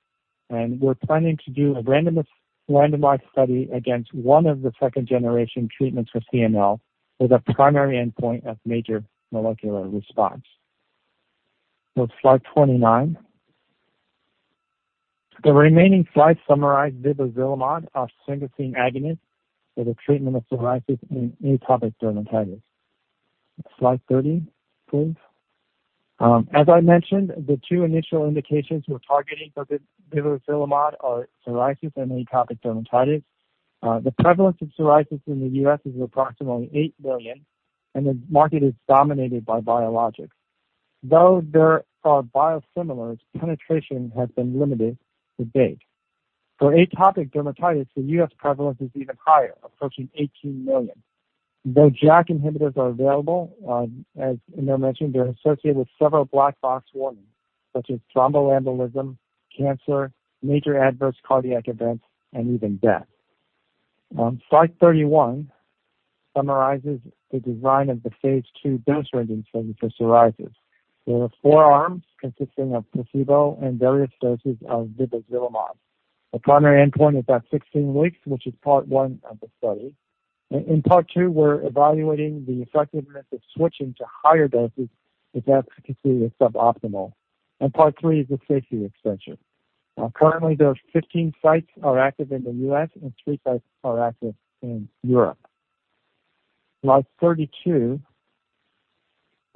and we're planning to do a randomized study against one of the second-generation treatments for CML, with a primary endpoint of major molecular response. So slide 29. The remaining slides summarize vipafoslin, a sigma-1 agonist for the treatment of psoriasis and atopic dermatitis. Slide 30, please. As I mentioned, the two initial indications we're targeting for vipafoslin are psoriasis and atopic dermatitis. The prevalence of psoriasis in the U.S. is approximately 8 million, and the market is dominated by biologics. Though there are biosimilars, penetration has been limited to date. For atopic dermatitis, the U.S. prevalence is even higher, approaching 18 million. Though JAK inhibitors are available, as Anil mentioned, they're associated with several black box warnings, such as thromboembolism, cancer, major adverse cardiac events, and even death. On slide 31, summarizes the design of the phase II dose-ranging study for psoriasis. There are four arms consisting of placebo and various doses of vipafoslin. The primary endpoint is at 16 weeks, which is part one of the study. In part two, we're evaluating the effectiveness of switching to higher doses if efficacy is suboptimal, and part three is a safety extension. Currently, there are 15 sites are active in the U.S., and three sites are active in Europe. Slide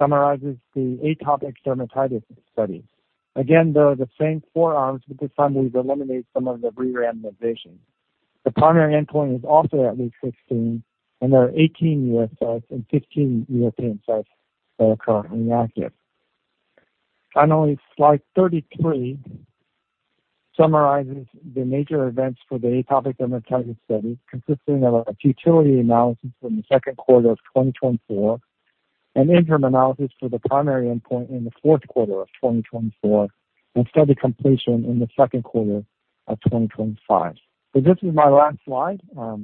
32 summarizes the atopic dermatitis study. Again, there are the same four arms, but this time we've eliminated some of the re-randomization. The primary endpoint is also at week 16, and there are 18 U.S. sites and 15 European sites that are currently active. Finally, slide 33 summarizes the major events for the atopic dermatitis study, consisting of a futility analysis in the Q2 of 2024, an interim analysis for the primary endpoint in the Q4 of 2024, and study completion in the Q2 of 2025. So this is my last slide.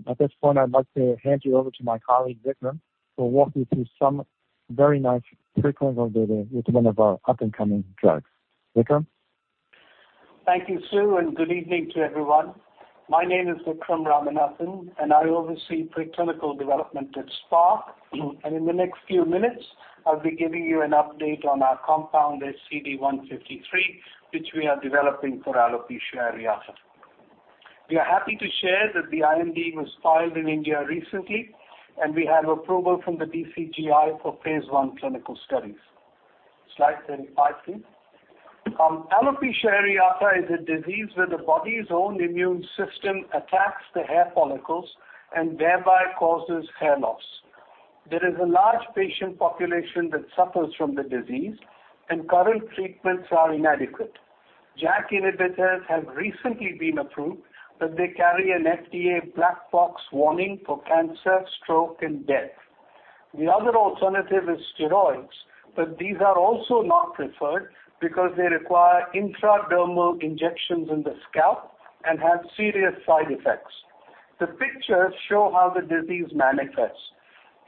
At this point, I'd like to hand you over to my colleague, Vikram, who will walk you through some very nice preclinical data with one of our up-and-coming drugs. Vikram? Thank you, Siu, and good evening to everyone. My name is Vikram Ramanathan, and I oversee preclinical development at SPARC. In the next few minutes, I'll be giving you an update on our compound SCD-153, which we are developing for alopecia areata. We are happy to share that the IND was filed in India recently, and we have approval from the DCGI for phase I clinical studies. Slide 35, please. Alopecia areata is a disease where the body's own immune system attacks the hair follicles and thereby causes hair loss. There is a large patient population that suffers from the disease, and current treatments are inadequate. JAK inhibitors have recently been approved, but they carry an FDA black box warning for cancer, stroke, and death. The other alternative is steroids, but these are also not preferred because they require intradermal injections in the scalp and have serious side effects. The pictures show how the disease manifests.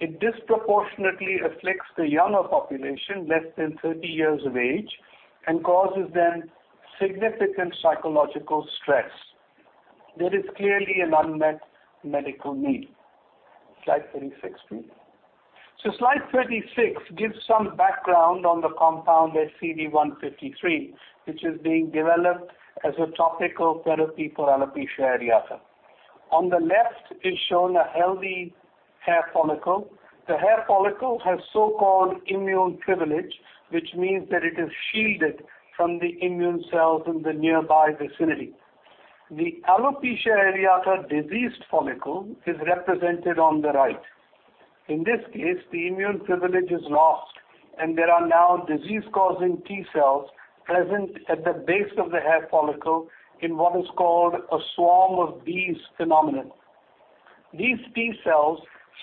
It disproportionately afflicts the younger population, less than 30 years of age, and causes them significant psychological stress. There is clearly an unmet medical need. Slide 36, please. So slide 36 gives some background on the compound SCD-153, which is being developed as a topical therapy for alopecia areata. On the left is shown a healthy hair follicle. The hair follicle has so-called immune privilege, which means that it is shielded from the immune cells in the nearby vicinity. The alopecia areata diseased follicle is represented on the right. In this case, the immune privilege is lost, and there are now disease-causing T cells present at the base of the hair follicle in what is called a swarm of bees phenomenon. These T cells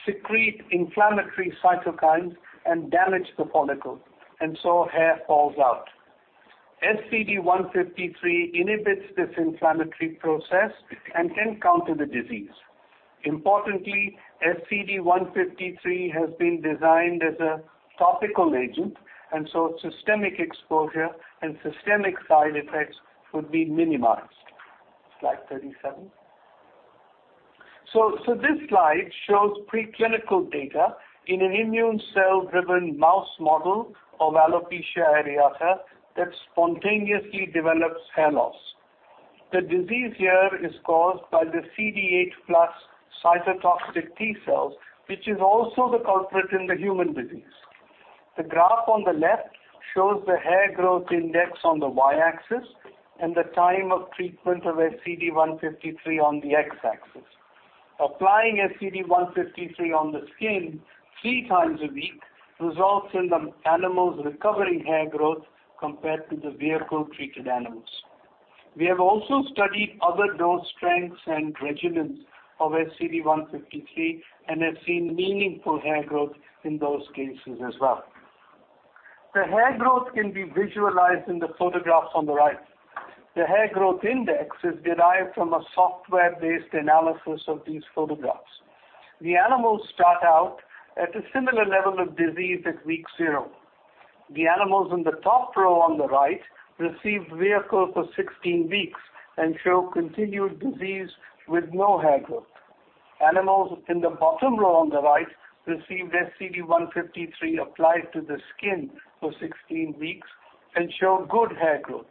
secrete inflammatory cytokines and damage the follicle, and so hair falls out. SCD-153 inhibits this inflammatory process and can counter the disease. Importantly, SCD-153 has been designed as a topical agent, and so systemic exposure and systemic side effects would be minimized. Slide 37. So, so this slide shows preclinical data in an immune cell-driven mouse model of alopecia areata that spontaneously develops hair loss.... The disease here is caused by the CD8+ cytotoxic T-cells, which is also the culprit in the human disease. The graph on the left shows the hair growth index on the Y-axis, and the time of treatment of SCD-153 on the X-axis. Applying SCD-153 on the skin three times a week results in the animals recovering hair growth compared to the vehicle-treated animals. We have also studied other dose strengths and regimens of SCD-153, and have seen meaningful hair growth in those cases as well. The hair growth can be visualized in the photographs on the right. The hair growth index is derived from a software-based analysis of these photographs. The animals start out at a similar level of disease at week zero. The animals in the top row on the right received vehicle for 16 weeks and show continued disease with no hair growth. Animals in the bottom row on the right received SCD-153 applied to the skin for 16 weeks and showed good hair growth.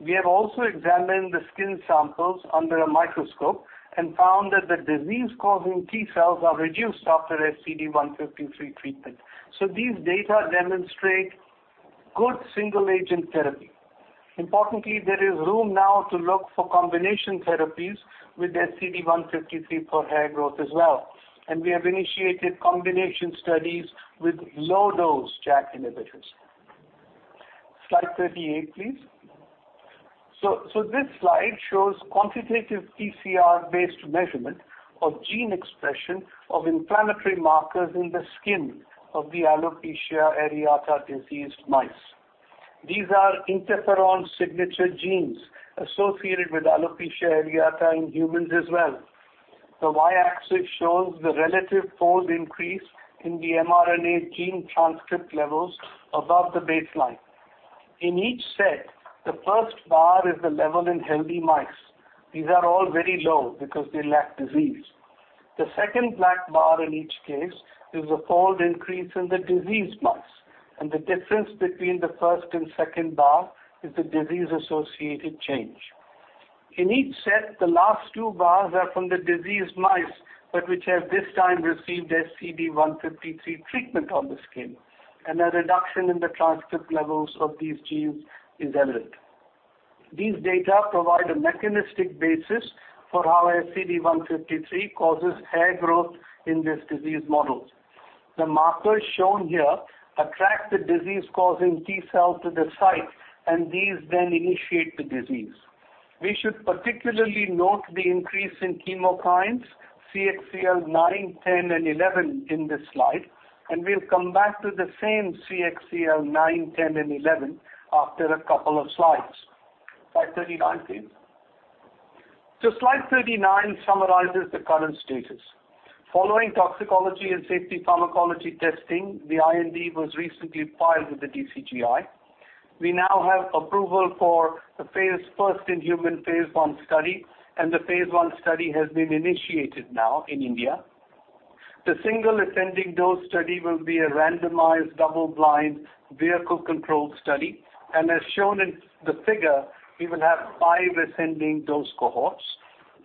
We have also examined the skin samples under a microscope and found that the disease-causing T-cells are reduced after SCD-153 treatment. So these data demonstrate good single agent therapy. Importantly, there is room now to look for combination therapies with SCD-153 for hair growth as well, and we have initiated combination studies with low-dose JAK inhibitors. Slide 38, please. So this slide shows quantitative PCR-based measurement of gene expression of inflammatory markers in the skin of the alopecia areata diseased mice. These are interferon signature genes associated with alopecia areata in humans as well. The Y-axis shows the relative fold increase in the mRNA gene transcript levels above the baseline. In each set, the first bar is the level in healthy mice. These are all very low because they lack disease. The second black bar in each case is a fold increase in the disease mice, and the difference between the first and second bar is the disease-associated change. In each set, the last two bars are from the diseased mice, but which have this time received SCD-153 treatment on the skin, and a reduction in the transcript levels of these genes is evident. These data provide a mechanistic basis for how SCD-153 causes hair growth in this disease models. The markers shown here attract the disease-causing T-cell to the site, and these then initiate the disease. We should particularly note the increase in chemokines, CXCL9, CXCL10, and CXCL11 in this slide, and we'll come back to the same CXCL9, CXCL10, and CXCL11 after a couple of slides. Slide 39, please. So slide 39 summarizes the current status. Following toxicology and safety pharmacology testing, the IND was recently filed with the DCGI. We now have approval for the phase... First-in-human phase I study, and the phase I study has been initiated now in India. The single ascending dose study will be a randomized, double-blind, vehicle-controlled study. As shown in the figure, we will have 5 ascending dose cohorts.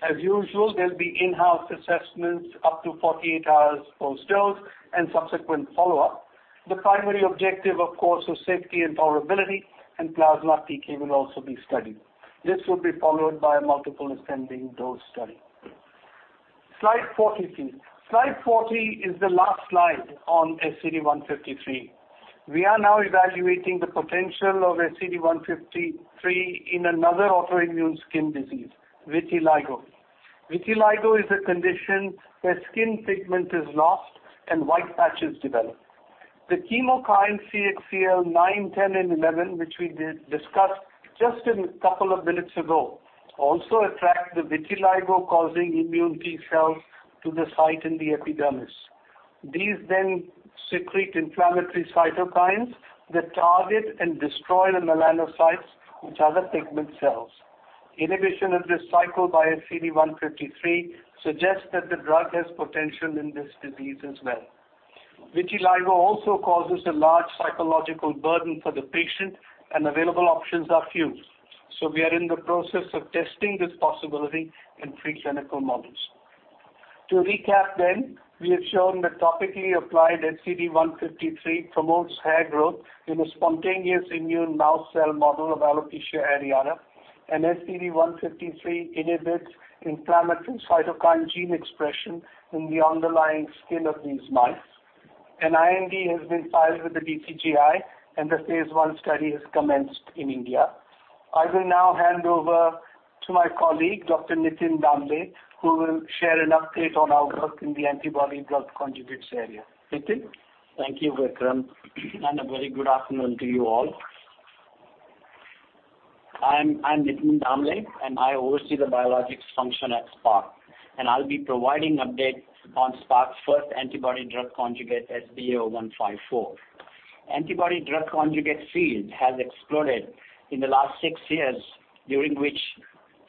As usual, there'll be in-house assessments up to 48 hours post-dose and subsequent follow-up. The primary objective, of course, is safety and tolerability, and plasma PK will also be studied. This will be followed by a multiple ascending dose study. Slide 40, please. Slide 40 is the last slide on SCD-153. We are now evaluating the potential of SCD-153 in another autoimmune skin disease, vitiligo. Vitiligo is a condition where skin pigment is lost and white patches develop. The chemokine CXCL9, 10, and 11, which we did discuss just a couple of minutes ago, also attract the vitiligo, causing immune T-cells to the site in the epidermis. These then secrete inflammatory cytokines that target and destroy the melanocytes, which are the pigment cells. Inhibition of this cycle by SCD-153 suggests that the drug has potential in this disease as well. Vitiligo also causes a large psychological burden for the patient, and available options are few. So we are in the process of testing this possibility in preclinical models. To recap then, we have shown that topically applied SCD-153 promotes hair growth in a spontaneous immune mouse cell model of alopecia areata, and SCD-153 inhibits inflammatory cytokine gene expression in the underlying skin of these mice. An IND has been filed with the DCGI, and the phase I study has commenced in India. I will now hand over to my colleague, Dr. Nitin Damle, who will share an update on our work in the antibody-drug conjugates area. Nitin? Thank you, Vikram, and a very good afternoon to you all. I'm Nitin Damle, and I oversee the biologics function at SPARC, and I'll be providing update on SPARC's first antibody drug conjugate, SBO-154. Antibody drug conjugate field has exploded in the last six years, during which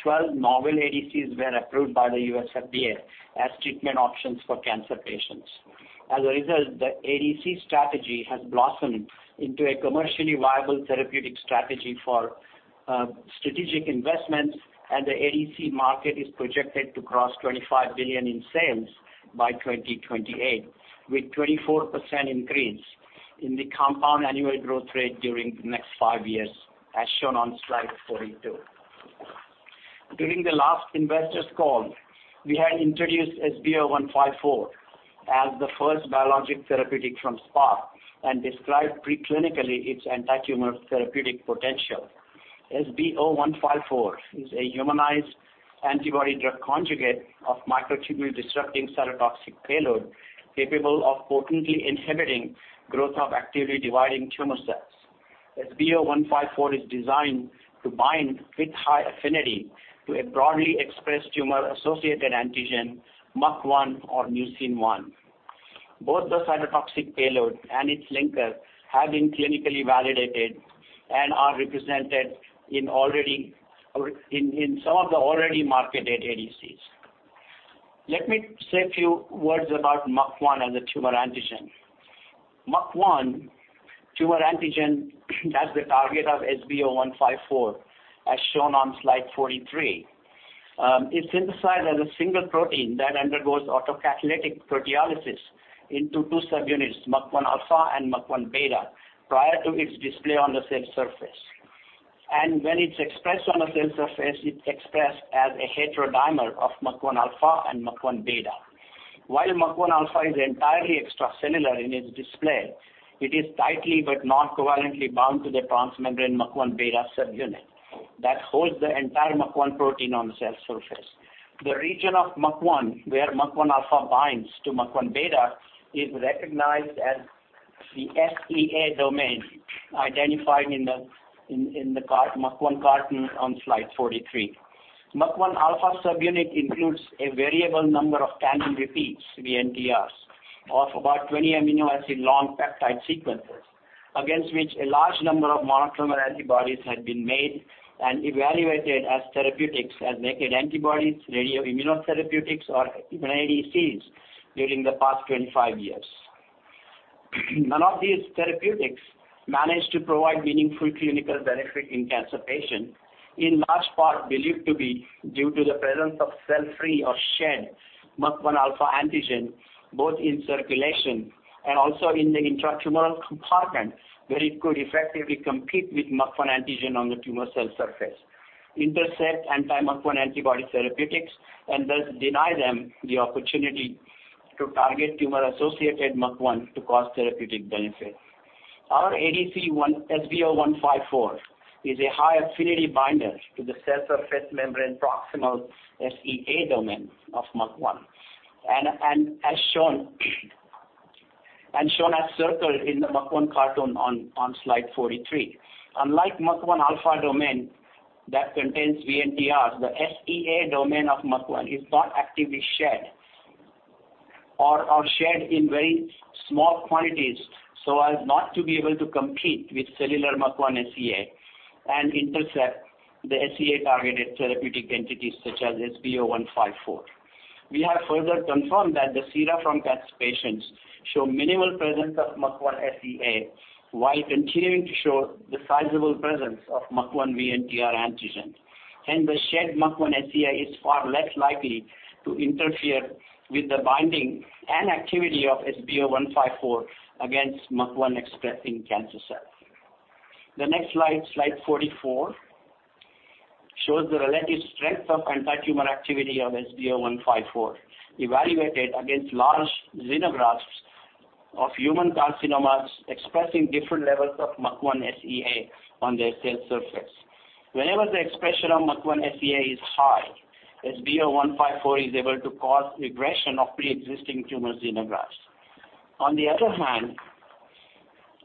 12 novel ADCs were approved by the U.S. FDA as treatment options for cancer patients. As a result, the ADC strategy has blossomed into a commercially viable therapeutic strategy for strategic investments, and the ADC market is projected to cross $25 billion in sales by 2028, with 24% increase in the compound annual growth rate during the next five years, as shown on slide 42. During the last investors call, we had introduced SBO-154 as the first biologic therapeutic from SPARC, and described preclinically its anti-tumor therapeutic potential. SBO-154 is a humanized antibody-drug conjugate of microtubule-disrupting cytotoxic payload, capable of potently inhibiting growth of actively dividing tumor cells. SBO-154 is designed to bind with high affinity to a broadly expressed tumor-associated antigen, MUC1 or Mucin 1. Both the cytotoxic payload and its linker have been clinically validated and are represented in already, or in some of the already marketed ADCs. Let me say a few words about MUC1 as a tumor antigen. MUC1 tumor antigen, that's the target of SBO-154, as shown on slide 43. It's synthesized as a single protein that undergoes autocatalytic proteolysis into two subunits, MUC1 alpha and MUC1 beta, prior to its display on the cell surface. And when it's expressed on a cell surface, it's expressed as a heterodimer of MUC1 alpha and MUC1 beta. While MUC1 alpha is entirely extracellular in its display, it is tightly but not covalently bound to the transmembrane MUC1 beta subunit that holds the entire MUC1 protein on the cell surface. The region of MUC1, where MUC1 alpha binds to MUC1 beta, is recognized as the SEA domain, identified in the MUC1 cartoon on slide 43. MUC1 alpha subunit includes a variable number of tandem repeats, VNTRs, of about 20 amino acid long peptide sequences, against which a large number of monoclonal antibodies had been made and evaluated as therapeutics, as naked antibodies, radioimmunotherapeutics, or even ADCs during the past 25 years. None of these therapeutics managed to provide meaningful clinical benefit in cancer patient, in large part believed to be due to the presence of cell-free or shed MUC1 alpha antigen, both in circulation and also in the intratumoral compartment, where it could effectively compete with MUC1 antigen on the tumor cell surface. Intercept anti-MUC1 antibody therapeutics, and thus deny them the opportunity to target tumor-associated MUC1 to cause therapeutic benefit. Our ADC one, SBO-154, is a high-affinity binder to the cell surface membrane proximal SEA domain of MUC1. And as shown as circled in the MUC1 cartoon on slide 43. Unlike MUC1 alpha domain that contains VNTRs, the SEA domain of MUC1 is not actively shed or shed in very small quantities, so as not to be able to compete with cellular MUC1 SEA and intercept the SEA-targeted therapeutic entities, such as SBO-154. We have further confirmed that the sera from cancer patients show minimal presence of MUC1 SEA, while continuing to show the sizable presence of MUC1 VNTR antigens. Hence, the shed MUC1 SEA is far less likely to interfere with the binding and activity of SBO-154 against MUC1-expressing cancer cells. The next slide, slide 44, shows the relative strength of anti-tumor activity of SBO-154, evaluated against large xenografts of human carcinomas expressing different levels of MUC1 SEA on their cell surface. Whenever the expression of MUC1 SEA is high, SBO-154 is able to cause regression of preexisting tumor xenografts. On the other hand,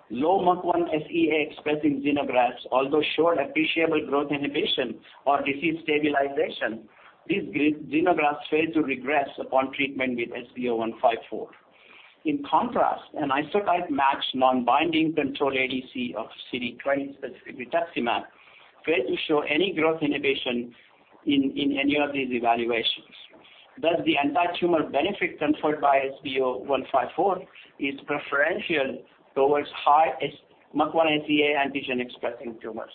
low MUC1 SEA-expressing xenografts, although showed appreciable growth inhibition or disease stabilization, these xenografts failed to regress upon treatment with SBO-154. In contrast, an isotype-matched non-binding control ADC of CD20-specific rituximab, failed to show any growth inhibition in any of these evaluations. Thus, the anti-tumor benefit conferred by SBO-154 is preferential towards high MUC1 SEA antigen-expressing tumors.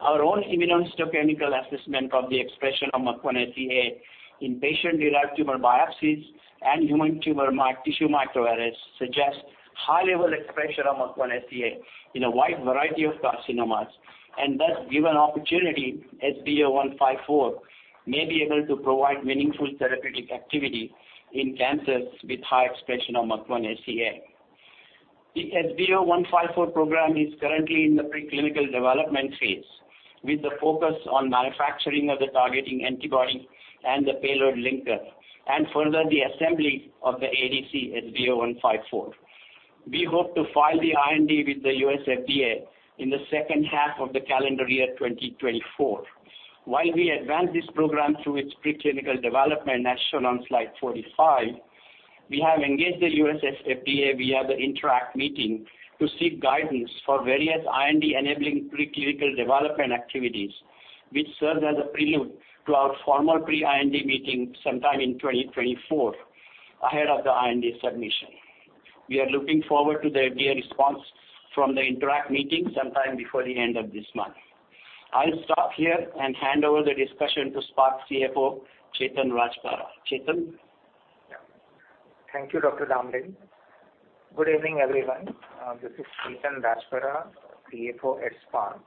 Our own immunohistochemical assessment of the expression of MUC1 SEA in patient-derived tumor biopsies and human tumor tissue microarrays suggest high level expression of MUC1 SEA in a wide variety of carcinomas, and thus, given opportunity, SBO-154 may be able to provide meaningful therapeutic activity in cancers with high expression of MUC1 SEA. The SBO-154 program is currently in the preclinical development phase, with the focus on manufacturing of the targeting antibody and the payload linker, and further, the assembly of the ADC SBO-154. We hope to file the IND with the U.S. FDA in the second half of the calendar year 2024. While we advance this program through its preclinical development, as shown on slide 45, we have engaged the U.S. FDA via the INTERACT meeting to seek guidance for various IND-enabling preclinical development activities, which serves as a prelude to our formal pre-IND meeting sometime in 2024, ahead of the IND submission. We are looking forward to the FDA response from the INTERACT meeting sometime before the end of this month. I'll stop here and hand over the discussion to SPARC CFO, Chetan Rajpara. Chetan? Thank you, Dr. Damle. Good evening, everyone. This is Chetan Rajpara, CFO at SPARC.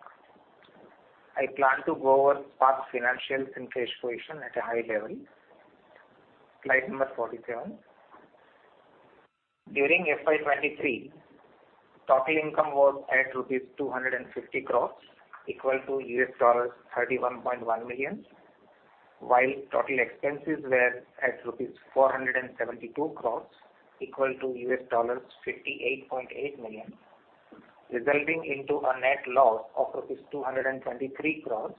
I plan to go over SPARC's financials and cash position at a high level. Slide number 47. During FY 2023, total income was at rupees 250 crores, equal to $31.1 million, while total expenses were at rupees 472 crores, equal to $58.8 million, resulting into a net loss of rupees 223 crores,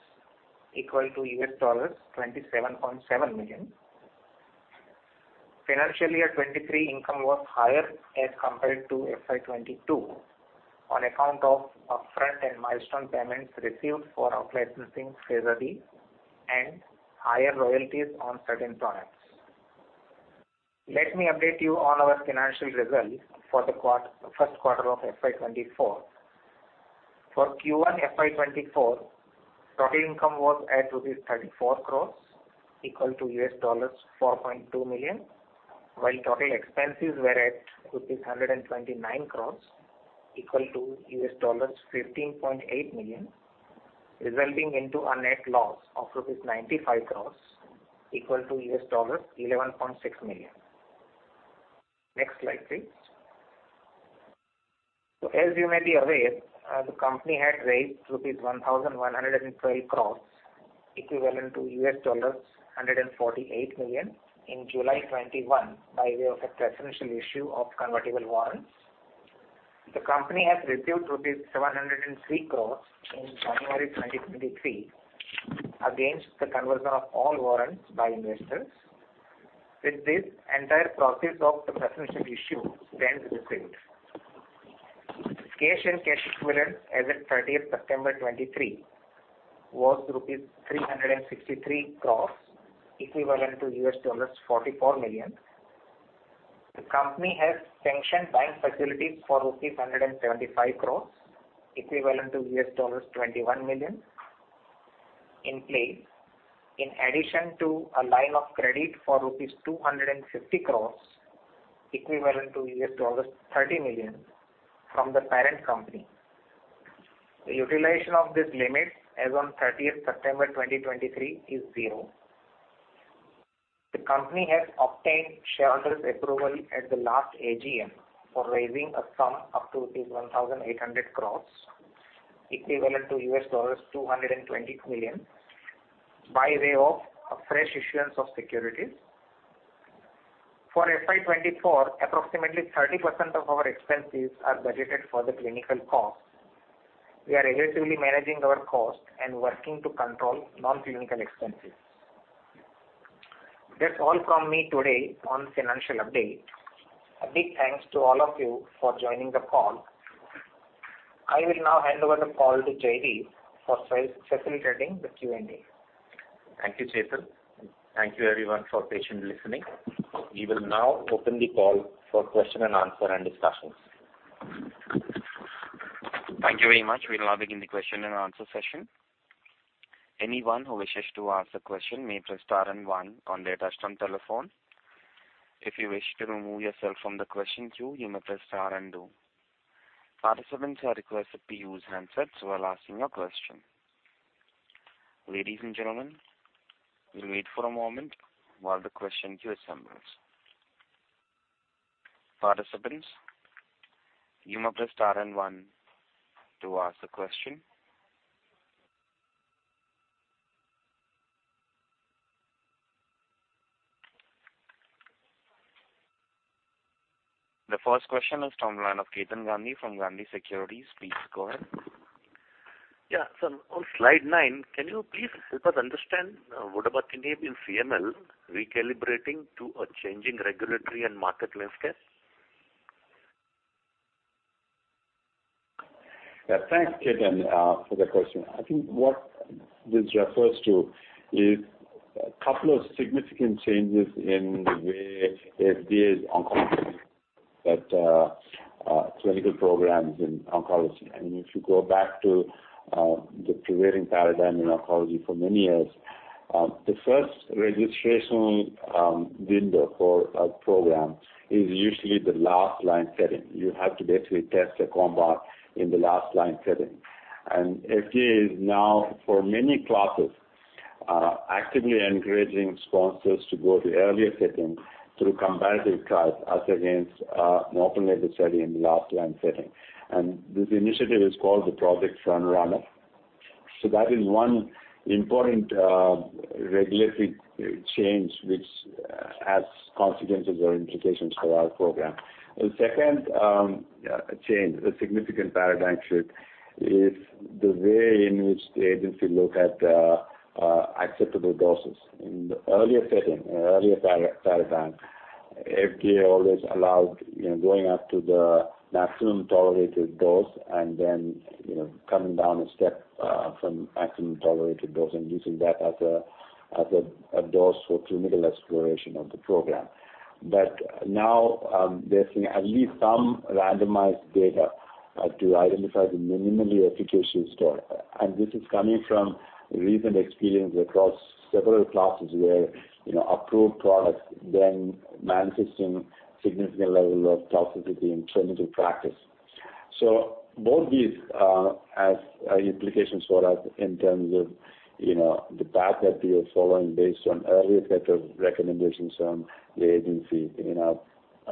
equal to $27.7 million. Financially, at 2023, income was higher as compared to FY 2022, on account of upfront and milestone payments received for outlicensing phase III, and higher royalties on certain products. Let me update you on our financial results for the Q1 of FY 2024. For Q1 FY 2024, total income was at 34 crores, equal to $4.2 million, while total expenses were at rupees 129 crores, equal to $15.8 million, resulting into a net loss of rupees 95 crores, equal to $11.6 million. Next slide, please. So as you may be aware, the company had raised rupees 1,112 crores, equivalent to $148 million, in July 2021, by way of a preferential issue of convertible warrants. The company has received rupees 703 crores in January 2023, against the conversion of all warrants by investors. With this, entire process of the preferential issue stands received. Cash and cash equivalent as of 30th September 2023, was rupees 363 crores, equivalent to $44 million. The company has sanctioned bank facilities for rupees 175 crore, equivalent to $21 million in place, in addition to a line of credit for rupees 250 crore, equivalent to $30 million from the parent company. The utilization of this limit as on 30th September 2023, is 0. The company has obtained shareholders' approval at the last AGM for raising a sum up to 1,800 crore, equivalent to $220 million, by way of a fresh issuance of securities. For FY 2024, approximately 30% of our expenses are budgeted for the clinical costs. We are aggressively managing our costs and working to control non-clinical expenses. That's all from me today on financial update. A big thanks to all of you for joining the call. I will now hand over the call to Jaydeep for facilitating the Q&A. Thank you, Chetan. Thank you everyone for patiently listening. We will now open the call for question and answer, and discussions. Thank you very much. We'll now begin the question and answer session. Anyone who wishes to ask a question may press star and one on their touch-tone telephone. If you wish to remove yourself from the question queue, you may press star and two. Participants are requested to use handsets while asking a question. Ladies and gentlemen, we'll wait for a moment while the question queue assembles. Participants, you may press star and one to ask the question. The first question is from the line of Ketan Gandhi from Gandhi Securities. Please go ahead. Yeah. So on slide nine, can you please help us understand, what about CML recalibrating to a changing regulatory and market landscape? Thanks, Ketan, for the question. I think what this refers to is a couple of significant changes in the way FDA is oncology, that, clinical programs in oncology. I mean, if you go back to, the prevailing paradigm in oncology for many years, the first registration, window for a program is usually the last line setting. You have to basically test a compound in the last line setting. And FDA is now, for many classes, actively encouraging sponsors to go to earlier settings through comparative trials as against, an open-label study in the last line setting. And this initiative is called the Project Frontrunner. So that is one important, regulatory, change, which, has consequences or implications for our program. The second, change, a significant paradigm shift, is the way in which the agency look at, acceptable doses. In the earlier setting, in earlier paradigm, FDA always allowed, you know, going up to the maximum tolerated dose and then, you know, coming down a step, from maximum tolerated dose and using that as a dose for clinical exploration of the program... but now, there's been at least some randomized data, to identify the minimally efficacious dose. And this is coming from recent experience across several classes where, you know, approved products then manifesting significant level of toxicity in clinical practice. Both these has implications for us in terms of, you know, the path that we are following based on earlier set of recommendations from the agency in our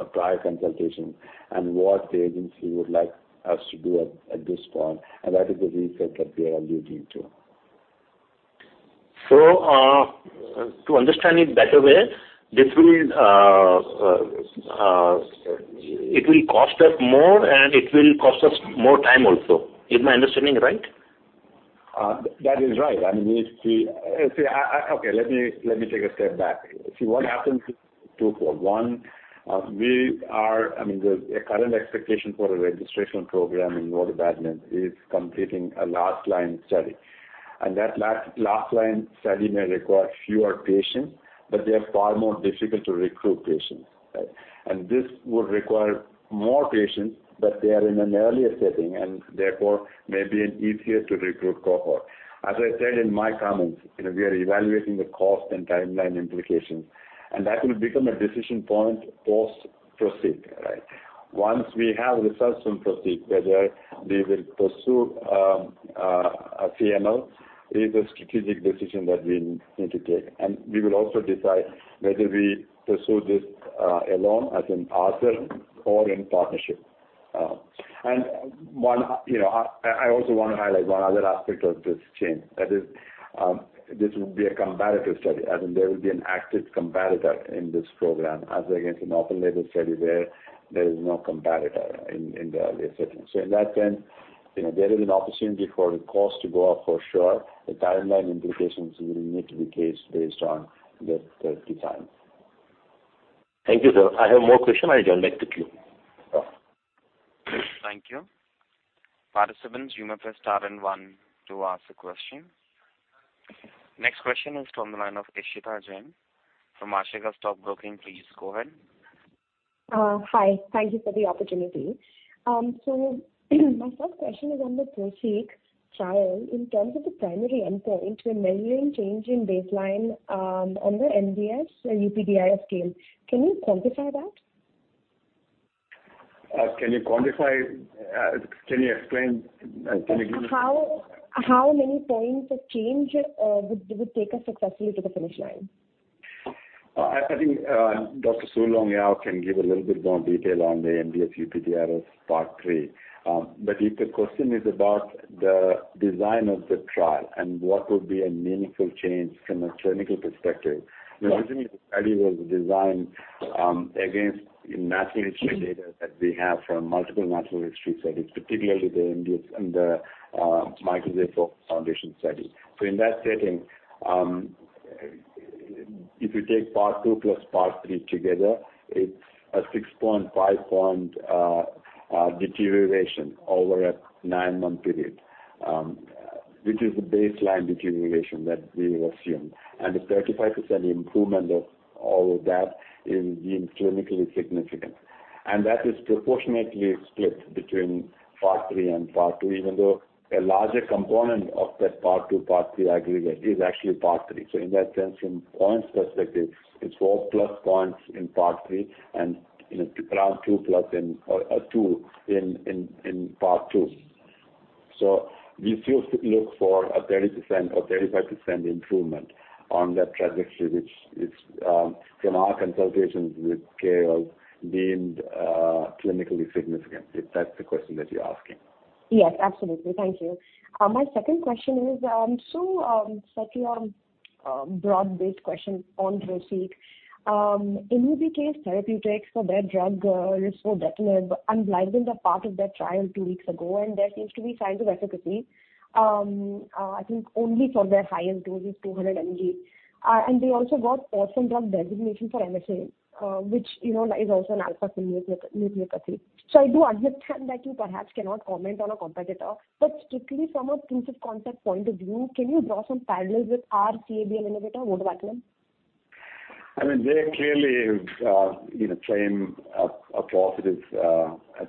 prior consultation, and what the agency would like us to do at this point, and that is the reset that we are alluding to. So, to understand it better way, it will cost us more, and it will cost us more time also. Is my understanding right? That is right. I mean, See, Okay, let me take a step back. See, what happens, I mean, the current expectation for a registration program in vodobatinib is completing a last line study. And that last line study may require fewer patients, but they are far more difficult to recruit patients, right? And this would require more patients, but they are in an earlier setting, and therefore, may be an easier to recruit cohort. As I said in my comments, you know, we are evaluating the cost and timeline implications, and that will become a decision point post PROSEEK, right? Once we have results from PROSEEK, whether we will pursue a CML is a strategic decision that we need to take. We will also decide whether we pursue this alone, as in ourselves or in partnership. You know, I also want to highlight one other aspect of this change. That is, this will be a comparative study, as in there will be an active comparator in this program, as against an open label study where there is no comparator in the earlier setting. So in that sense, you know, there is an opportunity for the cost to go up for sure. The timeline implications will need to be case based on the design. Thank you, sir. I have more question. I'll join back the queue. Sure. Thank you. Participants, you may press star and one to ask a question. Next question is from the line of Ishita Jain from Ashika Stock Broking. Please go ahead. Hi. Thank you for the opportunity. So, my first question is on the PROSEEK trial. In terms of the primary endpoint, we're measuring change in baseline, on the MDS-UPDRS scale. Can you quantify that? Can you quantify? Can you explain? Can you give- How many points of change would take us successfully to the finish line? I think Dr. Siu Long Yao can give a little bit more detail on the MDS-UPDRS part three. But if the question is about the design of the trial and what would be a meaningful change from a clinical perspective- Yes. The original study was designed against natural history data that we have from multiple natural history studies, particularly the MDS and the Michael J. Fox Foundation study. In that setting, if you take part two plus part three together, it's a 6.5-point deterioration over a nine-month period, which is the baseline deterioration that we assume. A 35% improvement of all of that is deemed clinically significant. That is proportionately split between part three and part two, even though a larger component of that part two, part three aggregate is actually part three. In that sense, from points perspective, it's 4+ points in part three and, you know, around 2+ in, or 2 in part two. So we still look for a 30% or 35% improvement on that trajectory, which is, from our consultations with care, deemed clinically significant, if that's the question that you're asking. Yes, absolutely. Thank you. My second question is, so, such a broad-based question on PROSEEK. Inhibikase Therapeutics, for their drug, risvodetinib, unblinded a part of their trial two weeks ago, and there seems to be signs of efficacy, I think only for their highest dose, is 200 mg. And they also got orphan drug designation for MSA, which, you know, is also an alpha-synucleinopathy. So I do understand that you perhaps cannot comment on a competitor, but strictly from a proof of concept point of view, can you draw some parallels with our c-Abl innovator, vodobatinib? I mean, they clearly, you know, claim a positive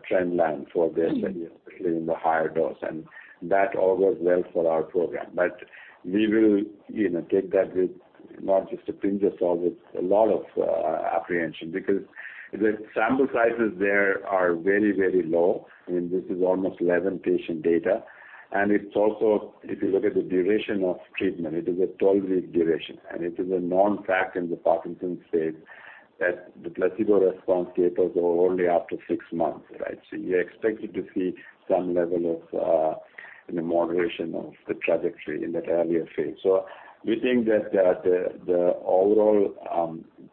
trend line for their study- Mm-hmm. Especially in the higher dose, and that all goes well for our program. But we will, you know, take that with not just a pinch of salt, with a lot of apprehension. Because the sample sizes there are very, very low, and this is almost 11 patient data. And it's also, if you look at the duration of treatment, it is a 12-week duration, and it is a known fact in the Parkinson's space that the placebo response data go only up to six months, right? So you're expected to see some level of, you know, moderation of the trajectory in that earlier phase. So we think that the overall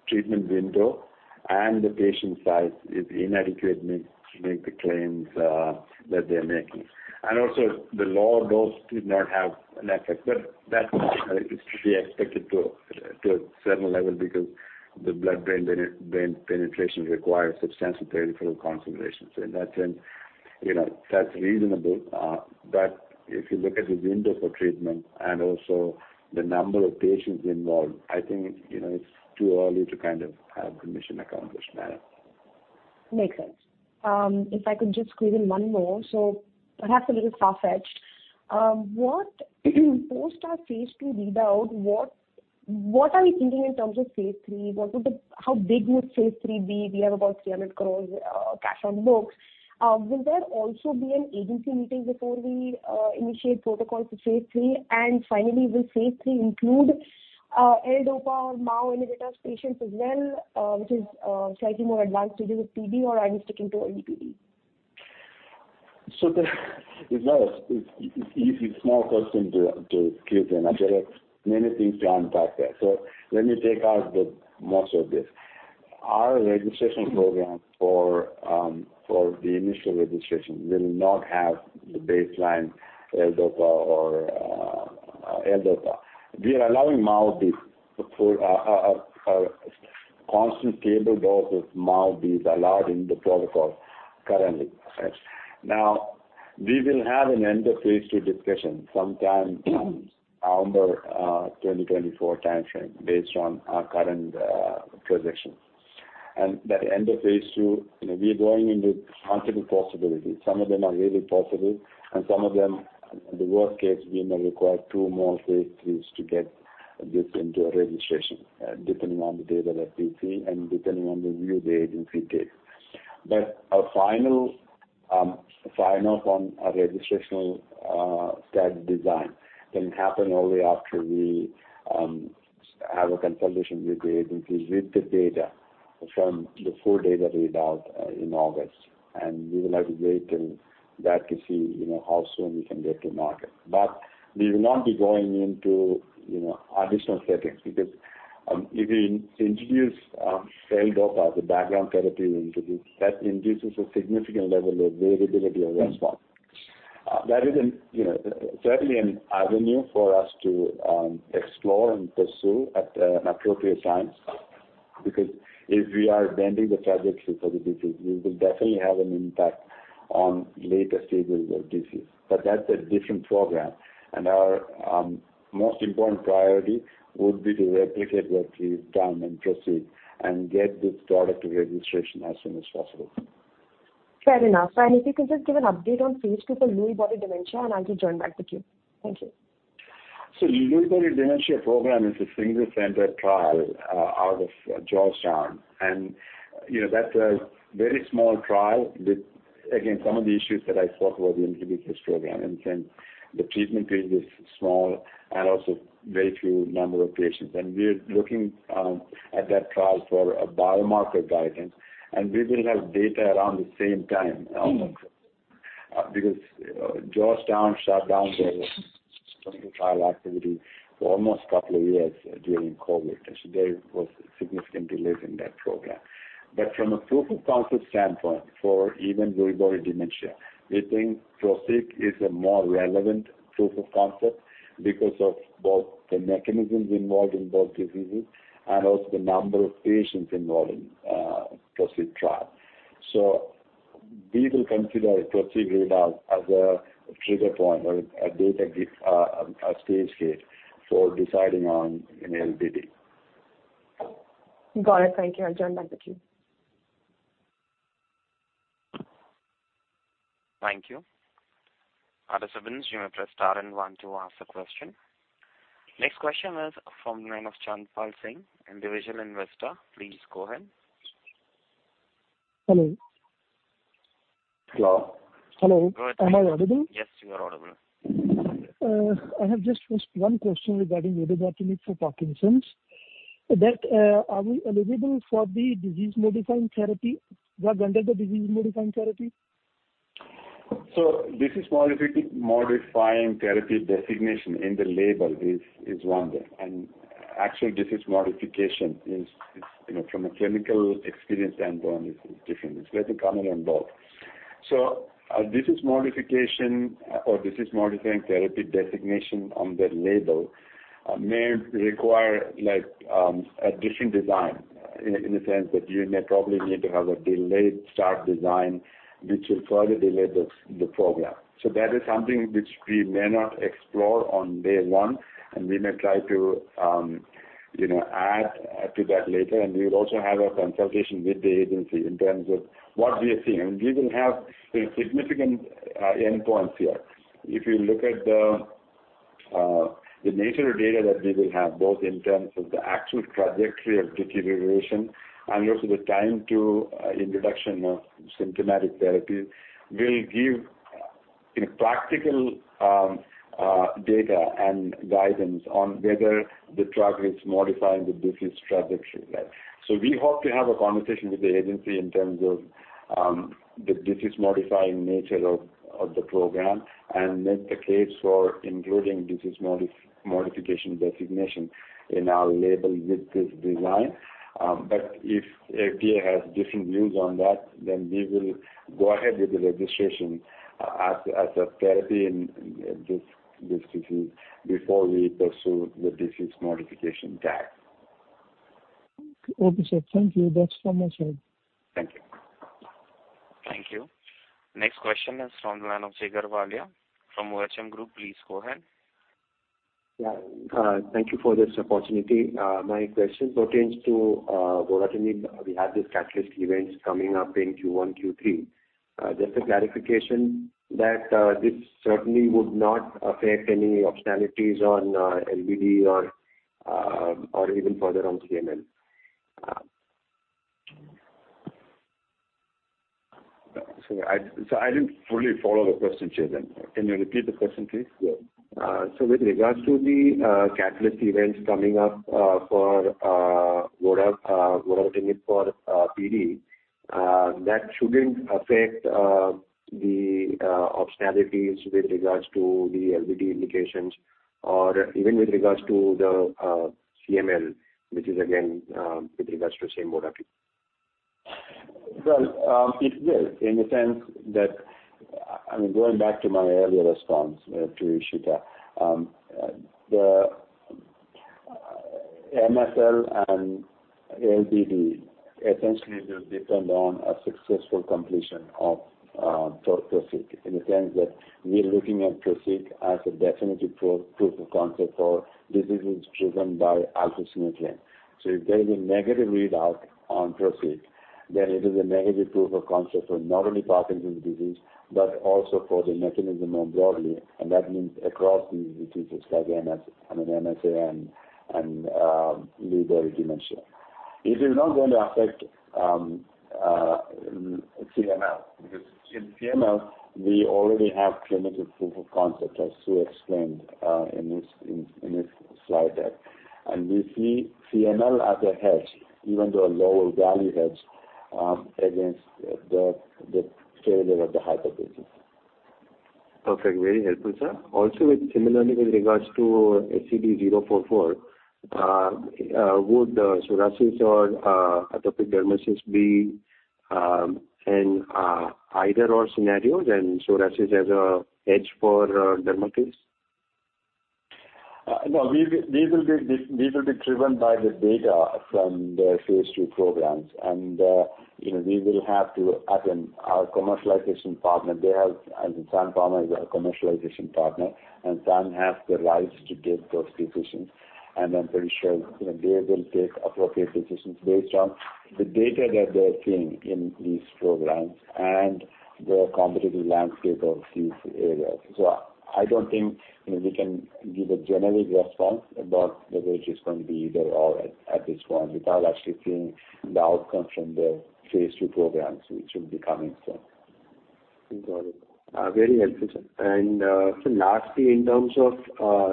treatment window and the patient size is inadequate to make, to make the claims that they're making. And also, the lower dose did not have an effect, but that is to be expected to a certain level because the blood-brain penetration requires substantial peripheral concentrations. In that sense, you know, that's reasonable. But if you look at the window for treatment and also the number of patients involved, I think, you know, it's too early to kind of have mission accomplished there. Makes sense. If I could just squeeze in one more, so perhaps a little far-fetched. What, post our phase II readout, what are we thinking in terms of phase III? What would the how big would phase III be? We have about 300 crore cash on books. Will there also be an agency meeting before we initiate protocols for phase III? And finally, will phase III include L-DOPA MAO inhibitors patients as well, which is slightly more advanced stages of PD, or are you sticking to only PD? So that is not an easy small question to squeeze in. There are many things to unpack there. So let me take out the most of this. Our registration program for the initial registration will not have the baseline L-DOPA or L-DOPA. We are allowing MAO-B for a constant stable dose of MAO-B allowed in the protocol currently. Right? Now, we will have an end of phase II discussion sometime, October 2024 timeframe, based on our current projections. And that end of phase II, you know, we are going into multiple possibilities. Some of them are really possible, and some of them, the worst case, we may require two more phase III to get this into a registration, depending on the data that we see and depending on the view the agency takes. But our final form, our registrational trial design can happen only after we have a consultation with the agency, with the data from the full data readout in August. We will have to wait till that to see, you know, how soon we can get to market. But we will not be going into, you know, additional settings, because if we introduce L-DOPA as a background therapy into this, that introduces a significant level of variability of response. That is, you know, certainly an avenue for us to explore and pursue at an appropriate time, because if we are bending the trajectory for the disease, we will definitely have an impact on later stages of disease. But that's a different program, and our most important priority would be to replicate what we've done in ProSiC and get this product to registration as soon as possible. Fair enough. If you could just give an update on phase II for Lewy body dementia, and I will join back the queue. Thank you. Lewy body dementia program is a single-center trial out of Georgetown. You know, that's a very small trial with, again, some of the issues that I spoke about in the previous program, in terms the treatment rate is small and also very few number of patients. We are looking at that trial for a biomarker guidance, and we will have data around the same time. Mm. Because Georgetown shut down their trial activity for almost couple of years during COVID, and so there was significant delays in that program. But from a proof of concept standpoint, for even Lewy body dementia, we think ProSiC is a more relevant proof of concept because of both the mechanisms involved in both diseases and also the number of patients involved in ProSiC trial. So we will consider ProSiC readout as a trigger point or a stage gate for deciding on an LBD. Got it. Thank you. I'll join back the queue. Thank you. Other participants, you may press star and one to ask a question. Next question is from the name of Chan Pal Singh, individual investor. Please go ahead. Hello? Hello. Hello. Go ahead. Am I audible? Yes, you are audible. I have just first one question regarding vodobatinib for Parkinson's. That, are we eligible for the disease-modifying therapy, drug under the disease-modifying therapy? So disease modifying therapy designation in the label is one thing, and actual disease modification is, you know, from a clinical experience standpoint, different. It's very common on both. So a disease modification or disease-modifying therapy designation on the label may require like a different design, in the sense that you may probably need to have a delayed start design, which will further delay the program. So that is something which we may not explore on day one, and we may try to, you know, add to that later. And we will also have a consultation with the agency in terms of what we are seeing. And we will have significant endpoints here. If you look at the nature of data that we will have, both in terms of the actual trajectory of deterioration and also the time to introduction of symptomatic therapy, will give a practical data and guidance on whether the drug is modifying the disease trajectory life. So we hope to have a conversation with the agency in terms of the disease-modifying nature of the program and make the case for including disease modification designation in our label with this design. But if FDA has different views on that, then we will go ahead with the registration as a therapy in this disease before we pursue the disease modification tag.... Okay, sir. Thank you. That's from my side. Thank you. Thank you. Next question is from the line of Jigar Valia from OHM Group. Please go ahead. Yeah, thank you for this opportunity. My question pertains to vodobatinib. We have this catalyst events coming up in Q1, Q3. Just a clarification that this certainly would not affect any optionalities on LBD or or even further on CML? So I didn't fully follow the question, Jigar. Can you repeat the question, please? Yeah. So with regards to the catalyst events coming up for vodobatinib, vodobatinib for PD, that shouldn't affect the optionalities with regards to the LBD indications or even with regards to the CML, which is again with regards to the same vodobatinib. Well, it will, in the sense that, I'm going back to my earlier response, to Ishita. The MSA and LBD essentially will depend on a successful completion of PROSEEK, in the sense that we're looking at PROSEEK as a definitive proof of concept for diseases driven by alpha-synuclein. So if there is a negative readout on PROSEEK, then it is a negative proof of concept for not only Parkinson's disease, but also for the mechanism more broadly, and that means across the diseases like MS, I mean, MSA and Lewy body dementia. It is not going to affect CML, because in CML, we already have clinical proof of concept, as Siu explained, in this slide deck. And we see CML as a hedge, even though a lower value hedge, against the failure of the hypothesis. Perfect. Very helpful, sir. Also, similarly with regards to SCD-044, would psoriasis or atopic dermatitis be in either-or scenarios and psoriasis as a hedge for dermatitis? No, these will be driven by the data from the phase II programs. And you know, we will have to ask them, our commercialization partner, they have, and Sun Pharma is our commercialization partner, and Sun has the rights to take those decisions. And I'm pretty sure, you know, they will take appropriate decisions based on the data that they're seeing in these programs and the competitive landscape of these areas. So I don't think, you know, we can give a generic response about the way it is going to be either or at this point, without actually seeing the outcome from the phase II programs, which will be coming soon. Got it. Very helpful, sir. And, so lastly, in terms of,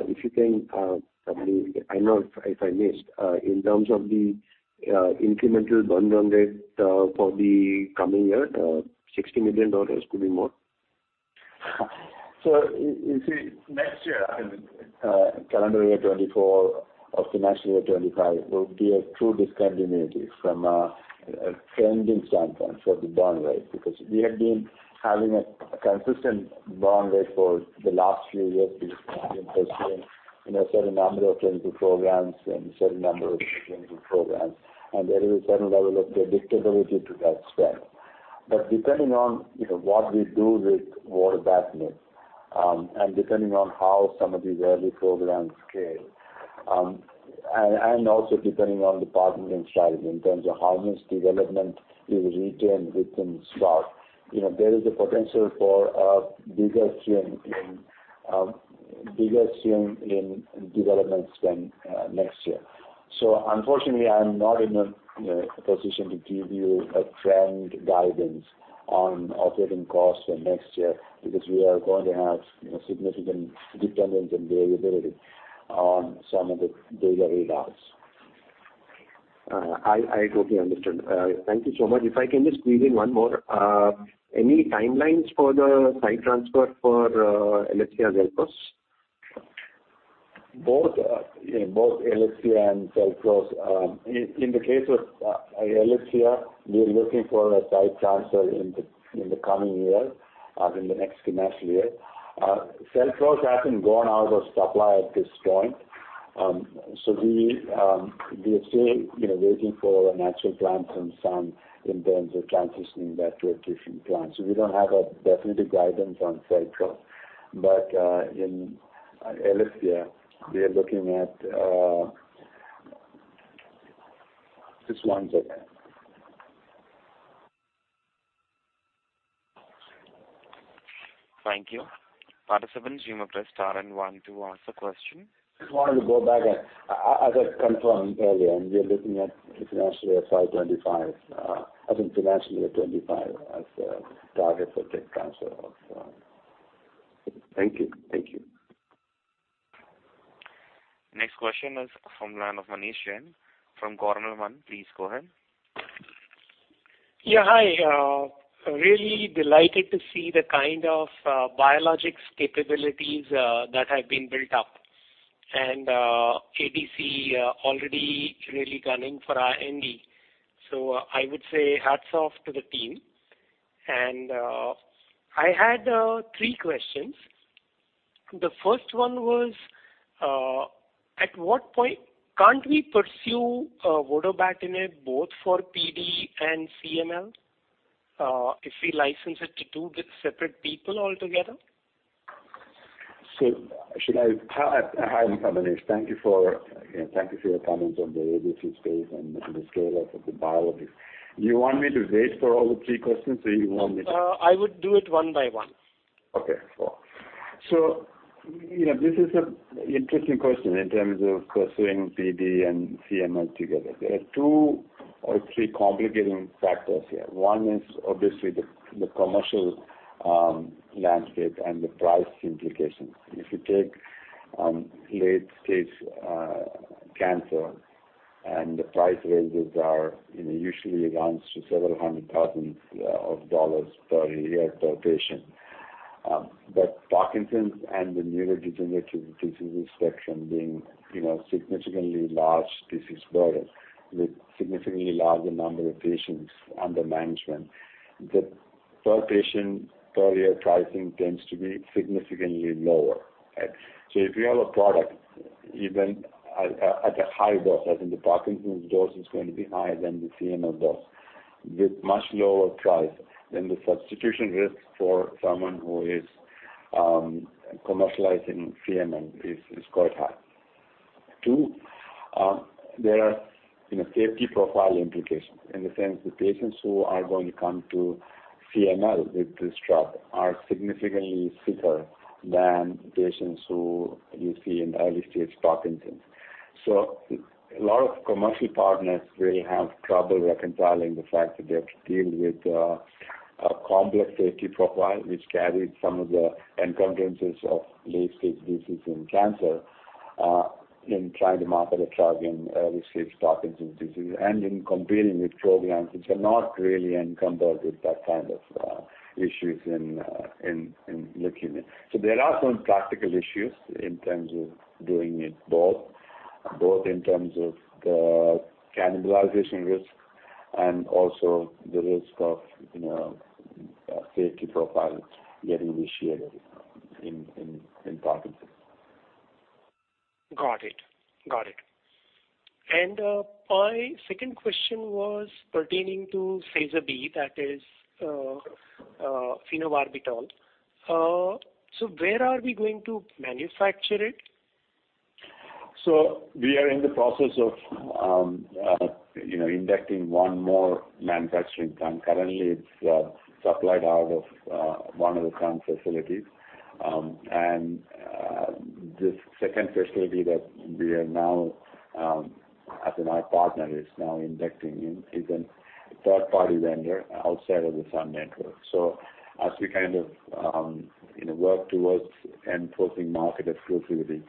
if you can, I mean, I know if I missed, in terms of the, incremental burn down rate, for the coming year, $60 million could be more? So you see, next year, I mean, calendar year 2024 or financial year 2025 will be a true discontinuity from a trending standpoint for the burn rate, because we have been having a consistent burn rate for the last few years, because we have been pursuing, you know, certain number of clinical programs and certain number of clinical programs, and there is a certain level of predictability to that spend. But depending on, you know, what we do with Vorapaxar, and depending on how some of these early programs scale, and also depending on the partnering strategy in terms of how much development is retained within SPARC, you know, there is a potential for a bigger swing in bigger swing in development spend, next year. So unfortunately, I'm not in a, you know, position to give you a trend guidance on operating costs for next year, because we are going to have, you know, significant dependence and variability on some of the data readouts. I totally understood. Thank you so much. If I can just squeeze in one more, any timelines for the site transfer for Elyxyb, XELPROS? Both, both Elyxyb and XELPROS, in the case with Elyxyb, we are looking for a site transfer in the coming year, in the next financial year. XELPROS hasn't gone out of supply at this point. So we are still, you know, waiting for a natural grant from some in terms of transitioning that to a different plant. So we don't have a definitive guidance on XELPROS. But, in Elyxyb, we are looking at... Just one second. Thank you. Participant, you may press star and one to ask the question. Just wanted to go back. As I confirmed earlier, we are looking at financial year 2025, I mean financial year 2025 as a target for tech transfer of... Thank you. Thank you. Next question is from the line of Manish Jain from Gormal One. Please go ahead. Yeah, hi. Really delighted to see the kind of biologics capabilities that have been built up. And, ADC already really gunning for our NE. So I would say hats off to the team. And, I had three questions. The first one was, at what point can't we pursue vodobatinib both for PD and CML, if we license it to two different separate people altogether? Hi, Manish. Thank you for, thank you for your comments on the ADC space and the scale of the biology. You want me to wait for all the three questions, or you want me to- I would do it one by one. Okay, cool. So, you know, this is an interesting question in terms of pursuing PD and CML together. There are two or three complicating factors here. One is obviously the commercial landscape and the price implications. If you take late-stage cancer, and the price ranges are, you know, usually runs to several hundred thousand dollars per year per patient. But Parkinson's and the neurodegenerative disease section being, you know, significantly large disease burden, with significantly larger number of patients under management, the per patient per year pricing tends to be significantly lower, right? So if you have a product, even at a high dose, as in the Parkinson's dose is going to be higher than the CML dose, with much lower price, then the substitution risk for someone who is commercializing CML is quite high. Two, there are, you know, safety profile implications, in the sense the patients who are going to come to CML with this drug are significantly sicker than patients who you see in early-stage Parkinson's. So a lot of commercial partners really have trouble reconciling the fact that they have to deal with a complex safety profile, which carries some of the encumbrances of late-stage disease in cancer in trying to market a drug in early-stage Parkinson's disease, and in competing with programs which are not really encumbered with that kind of issues in leukemia. So there are some practical issues in terms of doing it both in terms of the cannibalization risk and also the risk of, you know, safety profiles getting initiated in Parkinson's. Got it. Got it. My second question was pertaining to Phase B, that is, phenobarbital. Where are we going to manufacture it? So we are in the process of, you know, inducting one more manufacturing plant. Currently, it's supplied out of one of the current facilities. And this second facility that we are now, as my partner is now inducting in, is a third-party vendor outside of the Sun network. So as we kind of, you know, work towards enforcing market exclusivity,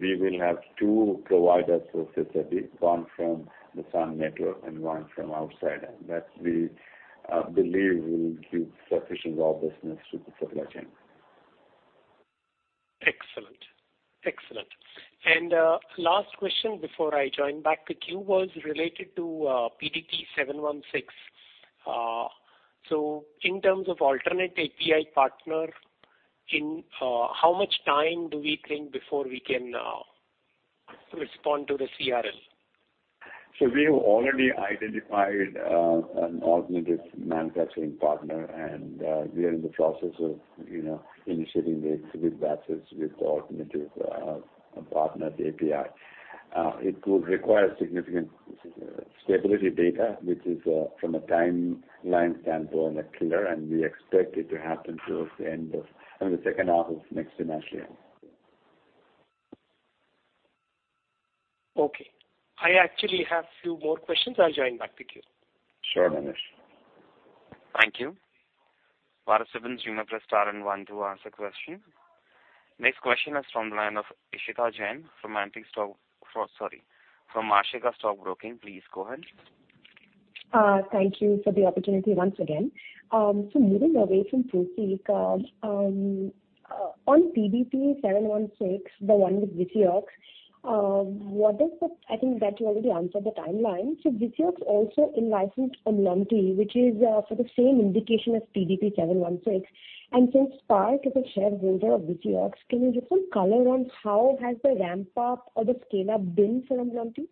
we will have two providers for facility, one from the Sun network and one from outside. And that, we believe will give sufficient robustness to the supply chain. Excellent. Excellent. And, last question before I join back the queue was related to PDP-716. So in terms of alternate API partner, in, how much time do we think before we can respond to the CRL? So we have already identified an alternative manufacturing partner, and we are in the process of, you know, initiating the specific batches with the alternative partner, the API. It will require significant stability data, which is from a timeline standpoint a killer, and we expect it to happen towards the end of the second half of next financial year. Okay. I actually have a few more questions. I'll join back with you. Sure, Dinesh. Thank you. Operator, you may press star and one to ask a question. Next question is from the line of Ishita Jain, from Ashika Stock Broking... Sorry, from Ashika Stock Broking. Please go ahead. Thank you for the opportunity once again. So moving away from PROSEEK, on PDP-716, the one with Visiox, what is the I think that you already answered the timeline. So Visiox also in-licensed Omlonti, which is for the same indication as PDP-716. And since SPARC is a shareholder of Visiox, can you give some color on how has the ramp-up or the scale-up been for Omlonti?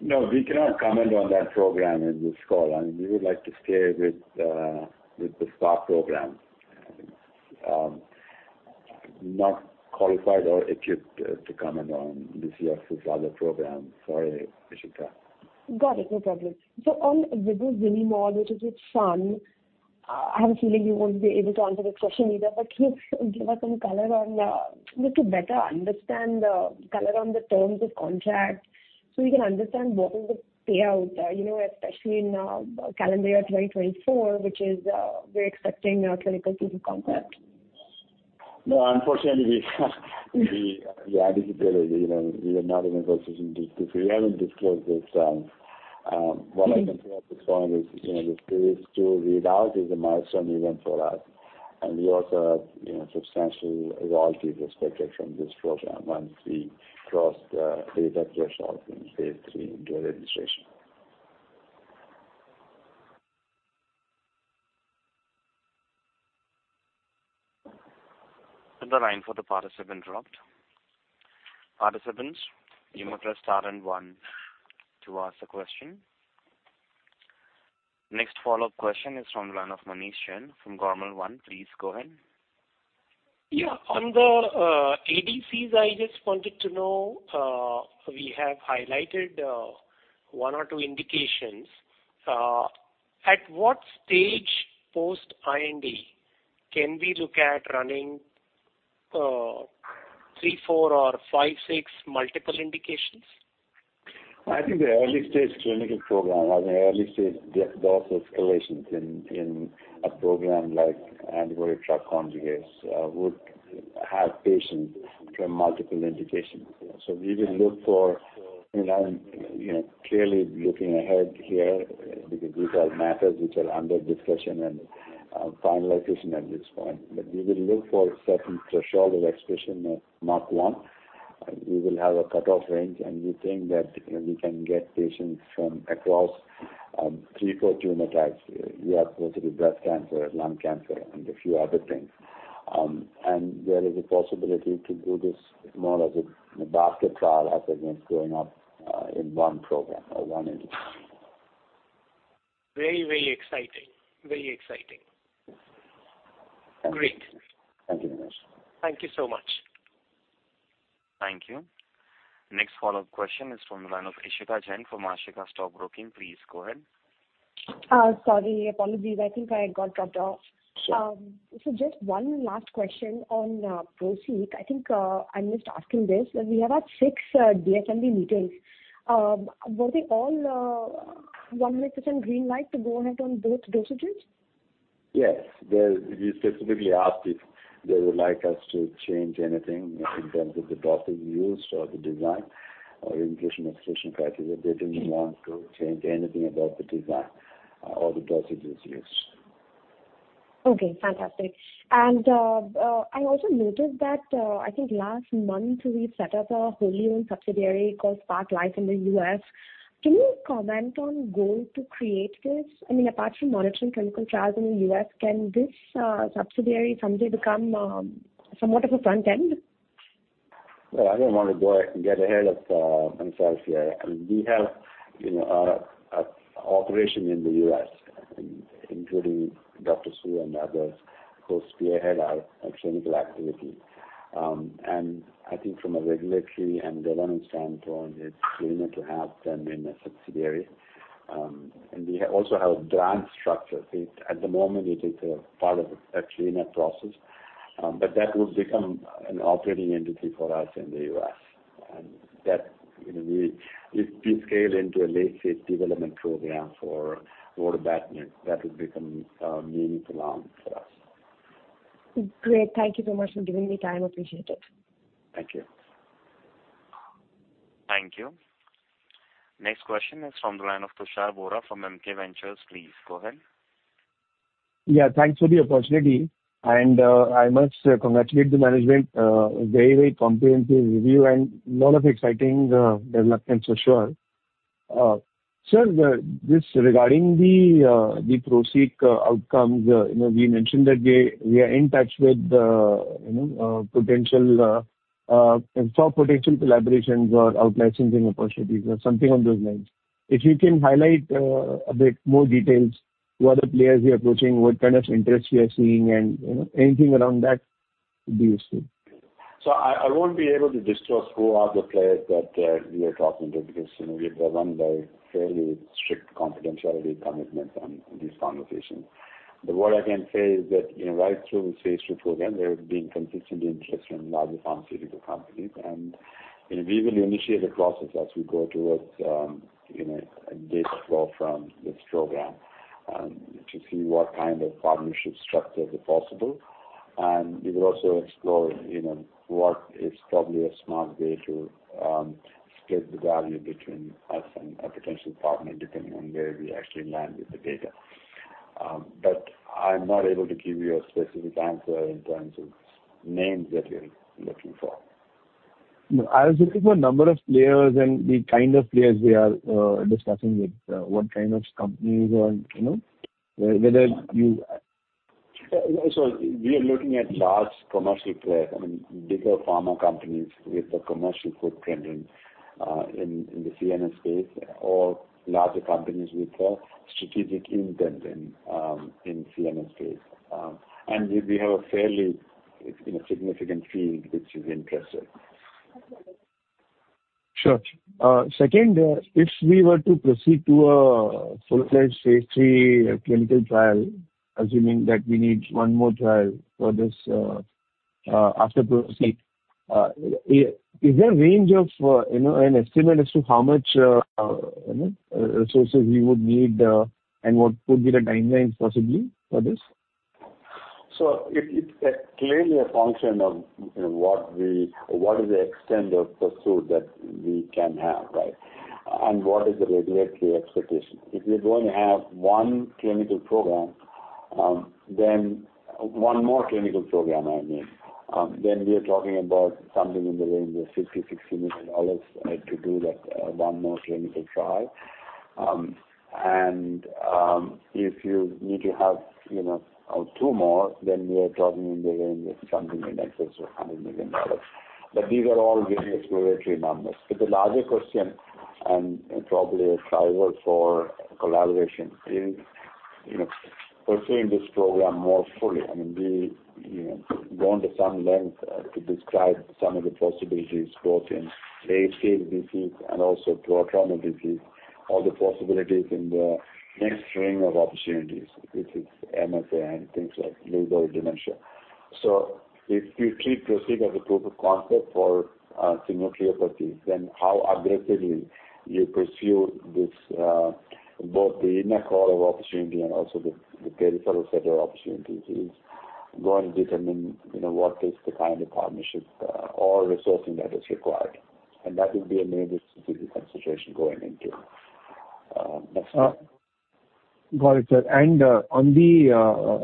No, we cannot comment on that program in this call. We would like to stay with the SPARC program. Not qualified or equipped to comment on Visiox's other program. Sorry, Ishita. Got it. No problem. So on with theamiselimod, which is with Sun, I have a feeling you won't be able to answer this question either, but can you give us some color on, just to better understand the color on the terms of contract, so we can understand what is the payout, you know, especially in, calendar year 2024, which is, we're expecting a clinical proof of concept? No, unfortunately, we are anticipated, you know, we are not in a position to... We haven't disclosed this. Mm-hmm. What I can say at this point is, you know, the phase 2 readout is a milestone event for us, and we also have, you know, substantial royalties expected from this program once we cross the data threshold in phase 3 into a registration. ... The line for the participant dropped. Participants, you may press star and one to ask the question. Next follow-up question is from the line of Manish Jain from Gormal One. Please go ahead. Yeah, on the ADCs, I just wanted to know, we have highlighted 1 or 2 indications. At what stage post IND can we look at running 3, 4 or 5, 6 multiple indications? I think the early stage clinical program, or the early stage dose escalations in a program like antibody-drug conjugates would have patients from multiple indications. So we will look for, you know, clearly looking ahead here, because these are matters which are under discussion and finalization at this point. But we will look for certain threshold of expression of MUC1, and we will have a cutoff range, and we think that we can get patients from across 3, 4 tumor types. We have positive breast cancer, lung cancer, and a few other things. There is a possibility to do this more as a basket trial as against going up in one program or one entity. Very, very exciting. Very exciting. Thank you. Great. Thank you, Manish. Thank you so much. Thank you. Next follow-up question is from the line of Ishita Jain from Ashika Stock Broking. Please go ahead. Sorry, apologies. I think I got cut off. Sure. So just one last question on PROSEEK. I think I'm just asking this, we have had six DSMB meetings. Were they all 100% green light to go ahead on both dosages? Yes. Well, we specifically asked if they would like us to change anything in terms of the dosage used or the design or inclusion/exclusion criteria. They didn't want to change anything about the design or the dosages used. Okay, fantastic. And, I also noticed that, I think last month we set up a wholly-owned subsidiary called SPARC Life in the U.S. Can you comment on goal to create this? I mean, apart from monitoring clinical trials in the U.S., can this, subsidiary someday become, somewhat of a front end? Well, I don't want to go ahead and get ahead of myself here. I mean, we have, you know, a operation in the U.S., including Dr. Siu and others, who spearhead our clinical activity. And I think from a regulatory and governance standpoint, it's cleaner to have them in a subsidiary. And we also have a brand structure. At the moment, it is a part of a cleanup process, but that would become an operating entity for us in the U.S. And that, you know, we, if we scale into a late-stage development program for vodobatinib, that would become meaningful arm for us. Great. Thank you so much for giving me time. Appreciate it. Thank you. Thank you. Next question is from the line of Tushar Vora from MK Ventures. Please go ahead. Yeah, thanks for the opportunity. I must congratulate the management, very, very comprehensive review and lot of exciting developments for sure. Sir, just regarding the PROSEEK outcomes, you know, we mentioned that we are in touch with the, you know, potential for potential collaborations or out-licensing opportunities or something on those lines. If you can highlight a bit more details, what are the players we are approaching, what kind of interest we are seeing, and, you know, anything around that would be useful. So I won't be able to discuss who are the players that we are talking to because, you know, we are run by fairly strict confidentiality commitments on these conversations. But what I can say is that, you know, right through the phase II program, there have been consistently interest from large pharmaceutical companies, and we will initiate the process as we go towards, you know, data flow from this program to see what kind of partnership structures are possible. And we will also explore, you know, what is probably a smart way to split the value between us and a potential partner, depending on where we actually land with the data. But I'm not able to give you a specific answer in terms of names that we're looking for. I was looking for a number of players and the kind of players we are discussing with, what kind of companies or, you know, whether you- So we are looking at large commercial players, I mean, bigger pharma companies with a commercial footprint in the CNS space, or larger companies with a strategic intent in the CNS space. And we have a fairly significant field which is interested. Sure. Second, if we were to proceed to a full-fledged phase III clinical trial, assuming that we need one more trial for this, after PROSEEK, is there a range of, you know, an estimate as to how much, you know, resources we would need, and what could be the timelines possibly for this? So it's clearly a function of, you know, what we, what is the extent of pursuit that we can have, right? And what is the regulatory expectation. If we're going to have one clinical program, then one more clinical program, I mean, then we are talking about something in the range of $50-$60 million, to do that, one more clinical trial. And, if you need to have, you know, two more, then we are talking in the range of something in excess of $100 million. But these are all really exploratory numbers. But the larger question, and probably a driver for collaboration, is, you know, pursuing this program more fully. I mean, we, you know, gone to some length to describe some of the possibilities, both in late-stage disease and also to autoimmune disease, all the possibilities in the next string of opportunities, which is MSA and things like Lewy body dementia. So if you keep PROSEEK as a proof of concept for similar therapies, then how aggressively you pursue this, both the inner core of opportunity and also the, the peripheral set of opportunities is going to determine, you know, what is the kind of partnership or resourcing that is required. And that will be a major strategic consideration going into next year. Got it, sir. And, on the,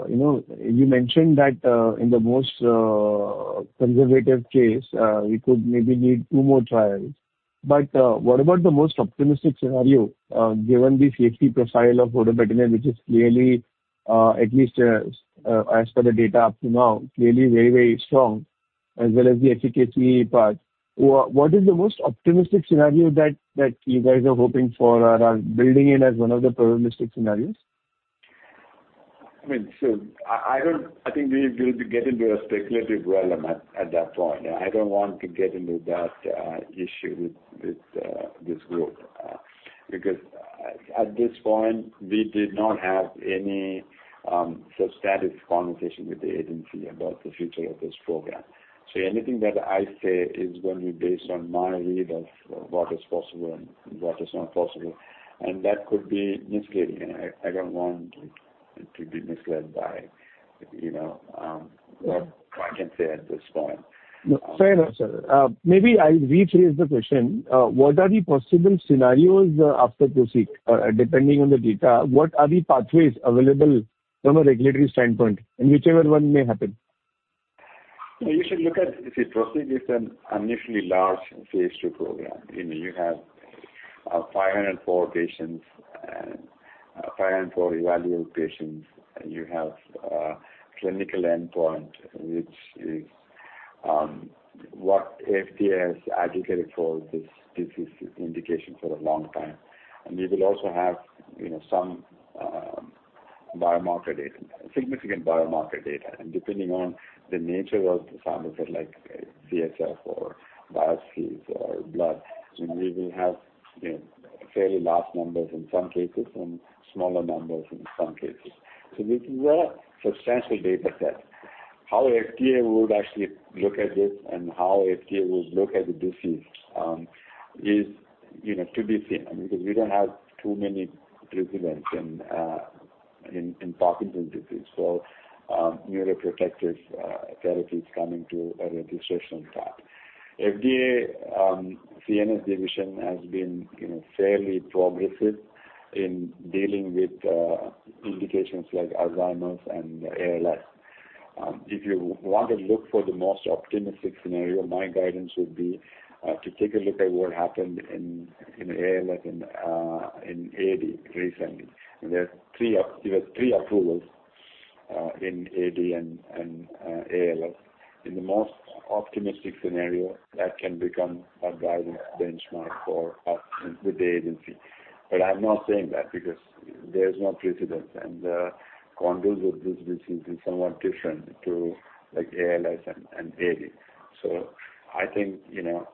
you know, you mentioned that, in the most, conservative case, you could maybe need two more trials. But, what about the most optimistic scenario, given the safety profile of vodobatinib, which is clearly, at least, as per the data up to now, clearly very, very strong, as well as the efficacy part. What, what is the most optimistic scenario that, that you guys are hoping for or are building in as one of the probabilistic scenarios? I mean, so I don't... I think we will be getting into a speculative realm at that point. I don't want to get into that issue with this group. Because at this point, we did not have any substantive conversation with the agency about the future of this program. So anything that I say is going to be based on my read of what is possible and what is not possible, and that could be misleading. I don't want to be misled by, you know, what I can say at this point. No. Fair enough, sir. Maybe I'll rephrase the question. What are the possible scenarios after PROSEEK? Depending on the data, what are the pathways available from a regulatory standpoint, and whichever one may happen? You should look at, if you PROSEEK is an unusually large phase 2 program, you know, you have 504 patients and 504 evaluated patients. You have a clinical endpoint, which is what FDA has advocated for this disease indication for a long time. You will also have, you know, some biomarker data, significant biomarker data. Depending on the nature of the biomarker, like CSF or biopsies or blood, you know, we will have, you know, fairly large numbers in some cases and smaller numbers in some cases. This is a substantial data set. How FDA would actually look at this and how FDA would look at the disease is, you know, to be seen, because we don't have too many precedents in Parkinson's disease for neuroprotective therapies coming to a registration path. FDA, CNS division has been, you know, fairly progressive in dealing with indications like Alzheimer's and ALS. If you want to look for the most optimistic scenario, my guidance would be to take a look at what happened in ALS and in AD recently. There were three approvals in AD and ALS. In the most optimistic scenario, that can become a guiding benchmark for us with the agency. But I'm not saying that, because there's no precedence, and the conduct with this disease is somewhat different to like ALS and AD. So I think, you know,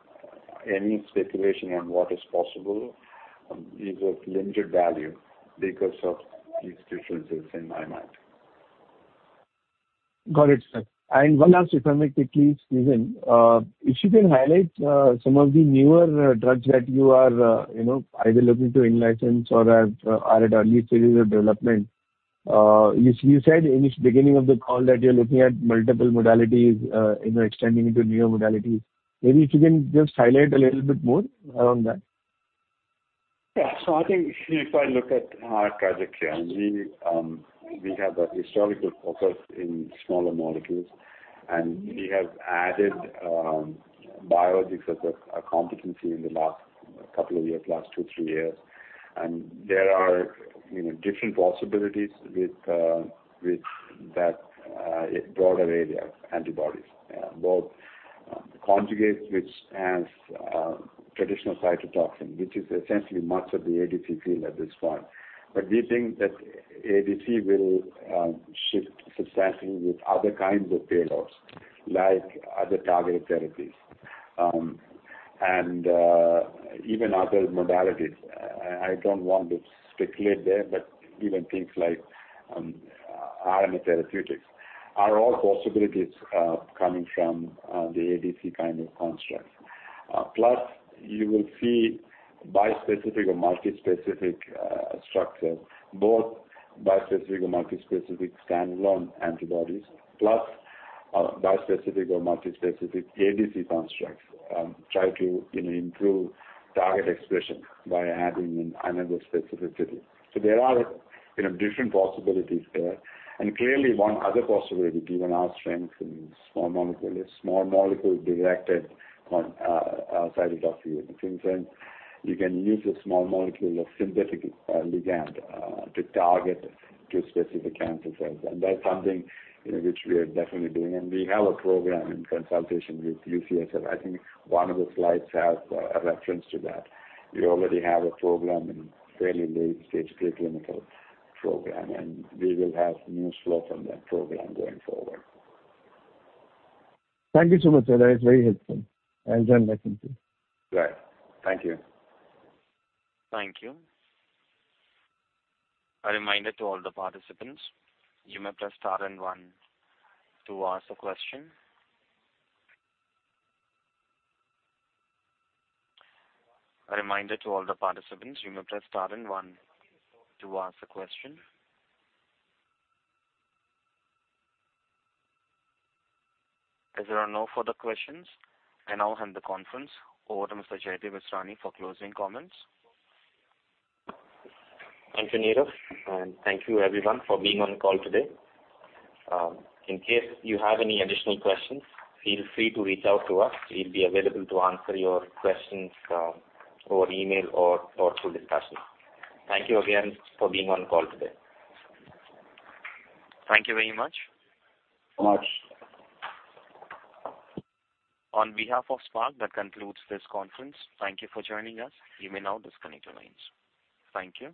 any speculation on what is possible is of limited value because of these differences in my mind. Got it, sir. And one last, if I may quickly squeeze in. If you can highlight some of the newer drugs that you are, you know, either looking to in-license or are at early stages of development. You said in the beginning of the call that you're looking at multiple modalities, you know, extending into newer modalities. Maybe if you can just highlight a little bit more around that. Yeah. So I think if I look at our project here, we have a historical focus in small molecules, and we have added biologics as a competency in the last couple of years, last two, three years. And there are, you know, different possibilities with that broader area, antibodies. Both conjugates, which has traditional cytotoxin, which is essentially much of the ADC field at this point. But we think that ADC will shift substantially with other kinds of payloads, like other targeted therapies, and even other modalities. I don't want to speculate there, but even things like RNA therapeutics are all possibilities coming from the ADC kind of constructs. Plus, you will see bispecific or multispecific structures, both bispecific or multispecific standalone antibodies, plus, bispecific or multispecific ADC constructs, try to, you know, improve target expression by adding an another specificity. So there are different possibilities there. And clearly, one other possibility, given our strength in small molecules, small molecules directed on cytotoxicity. In a sense, you can use a small molecule, a synthetic ligand to target to specific cancer cells, and that's something, you know, which we are definitely doing. And we have a program in consultation with UCSF. I think one of the slides has a reference to that. We already have a program in fairly late stage, preclinical program, and we will have news flow from that program going forward. Thank you so much, sir. That is very helpful. I'll join back in queue. Right. Thank you. Thank you. A reminder to all the participants, you may press star and one to ask a question. A reminder to all the participants, you may press star and one to ask a question. As there are no further questions, I now hand the conference over to Mr. Jaydeep Issrani for closing comments. Thank you, Nirav, and thank you, everyone, for being on the call today. In case you have any additional questions, feel free to reach out to us. We'll be available to answer your questions over email or through discussion. Thank you again for being on the call today. Thank you very much. Thanks much. On behalf of SPARC, that concludes this conference. Thank you for joining us. You may now disconnect your lines. Thank you.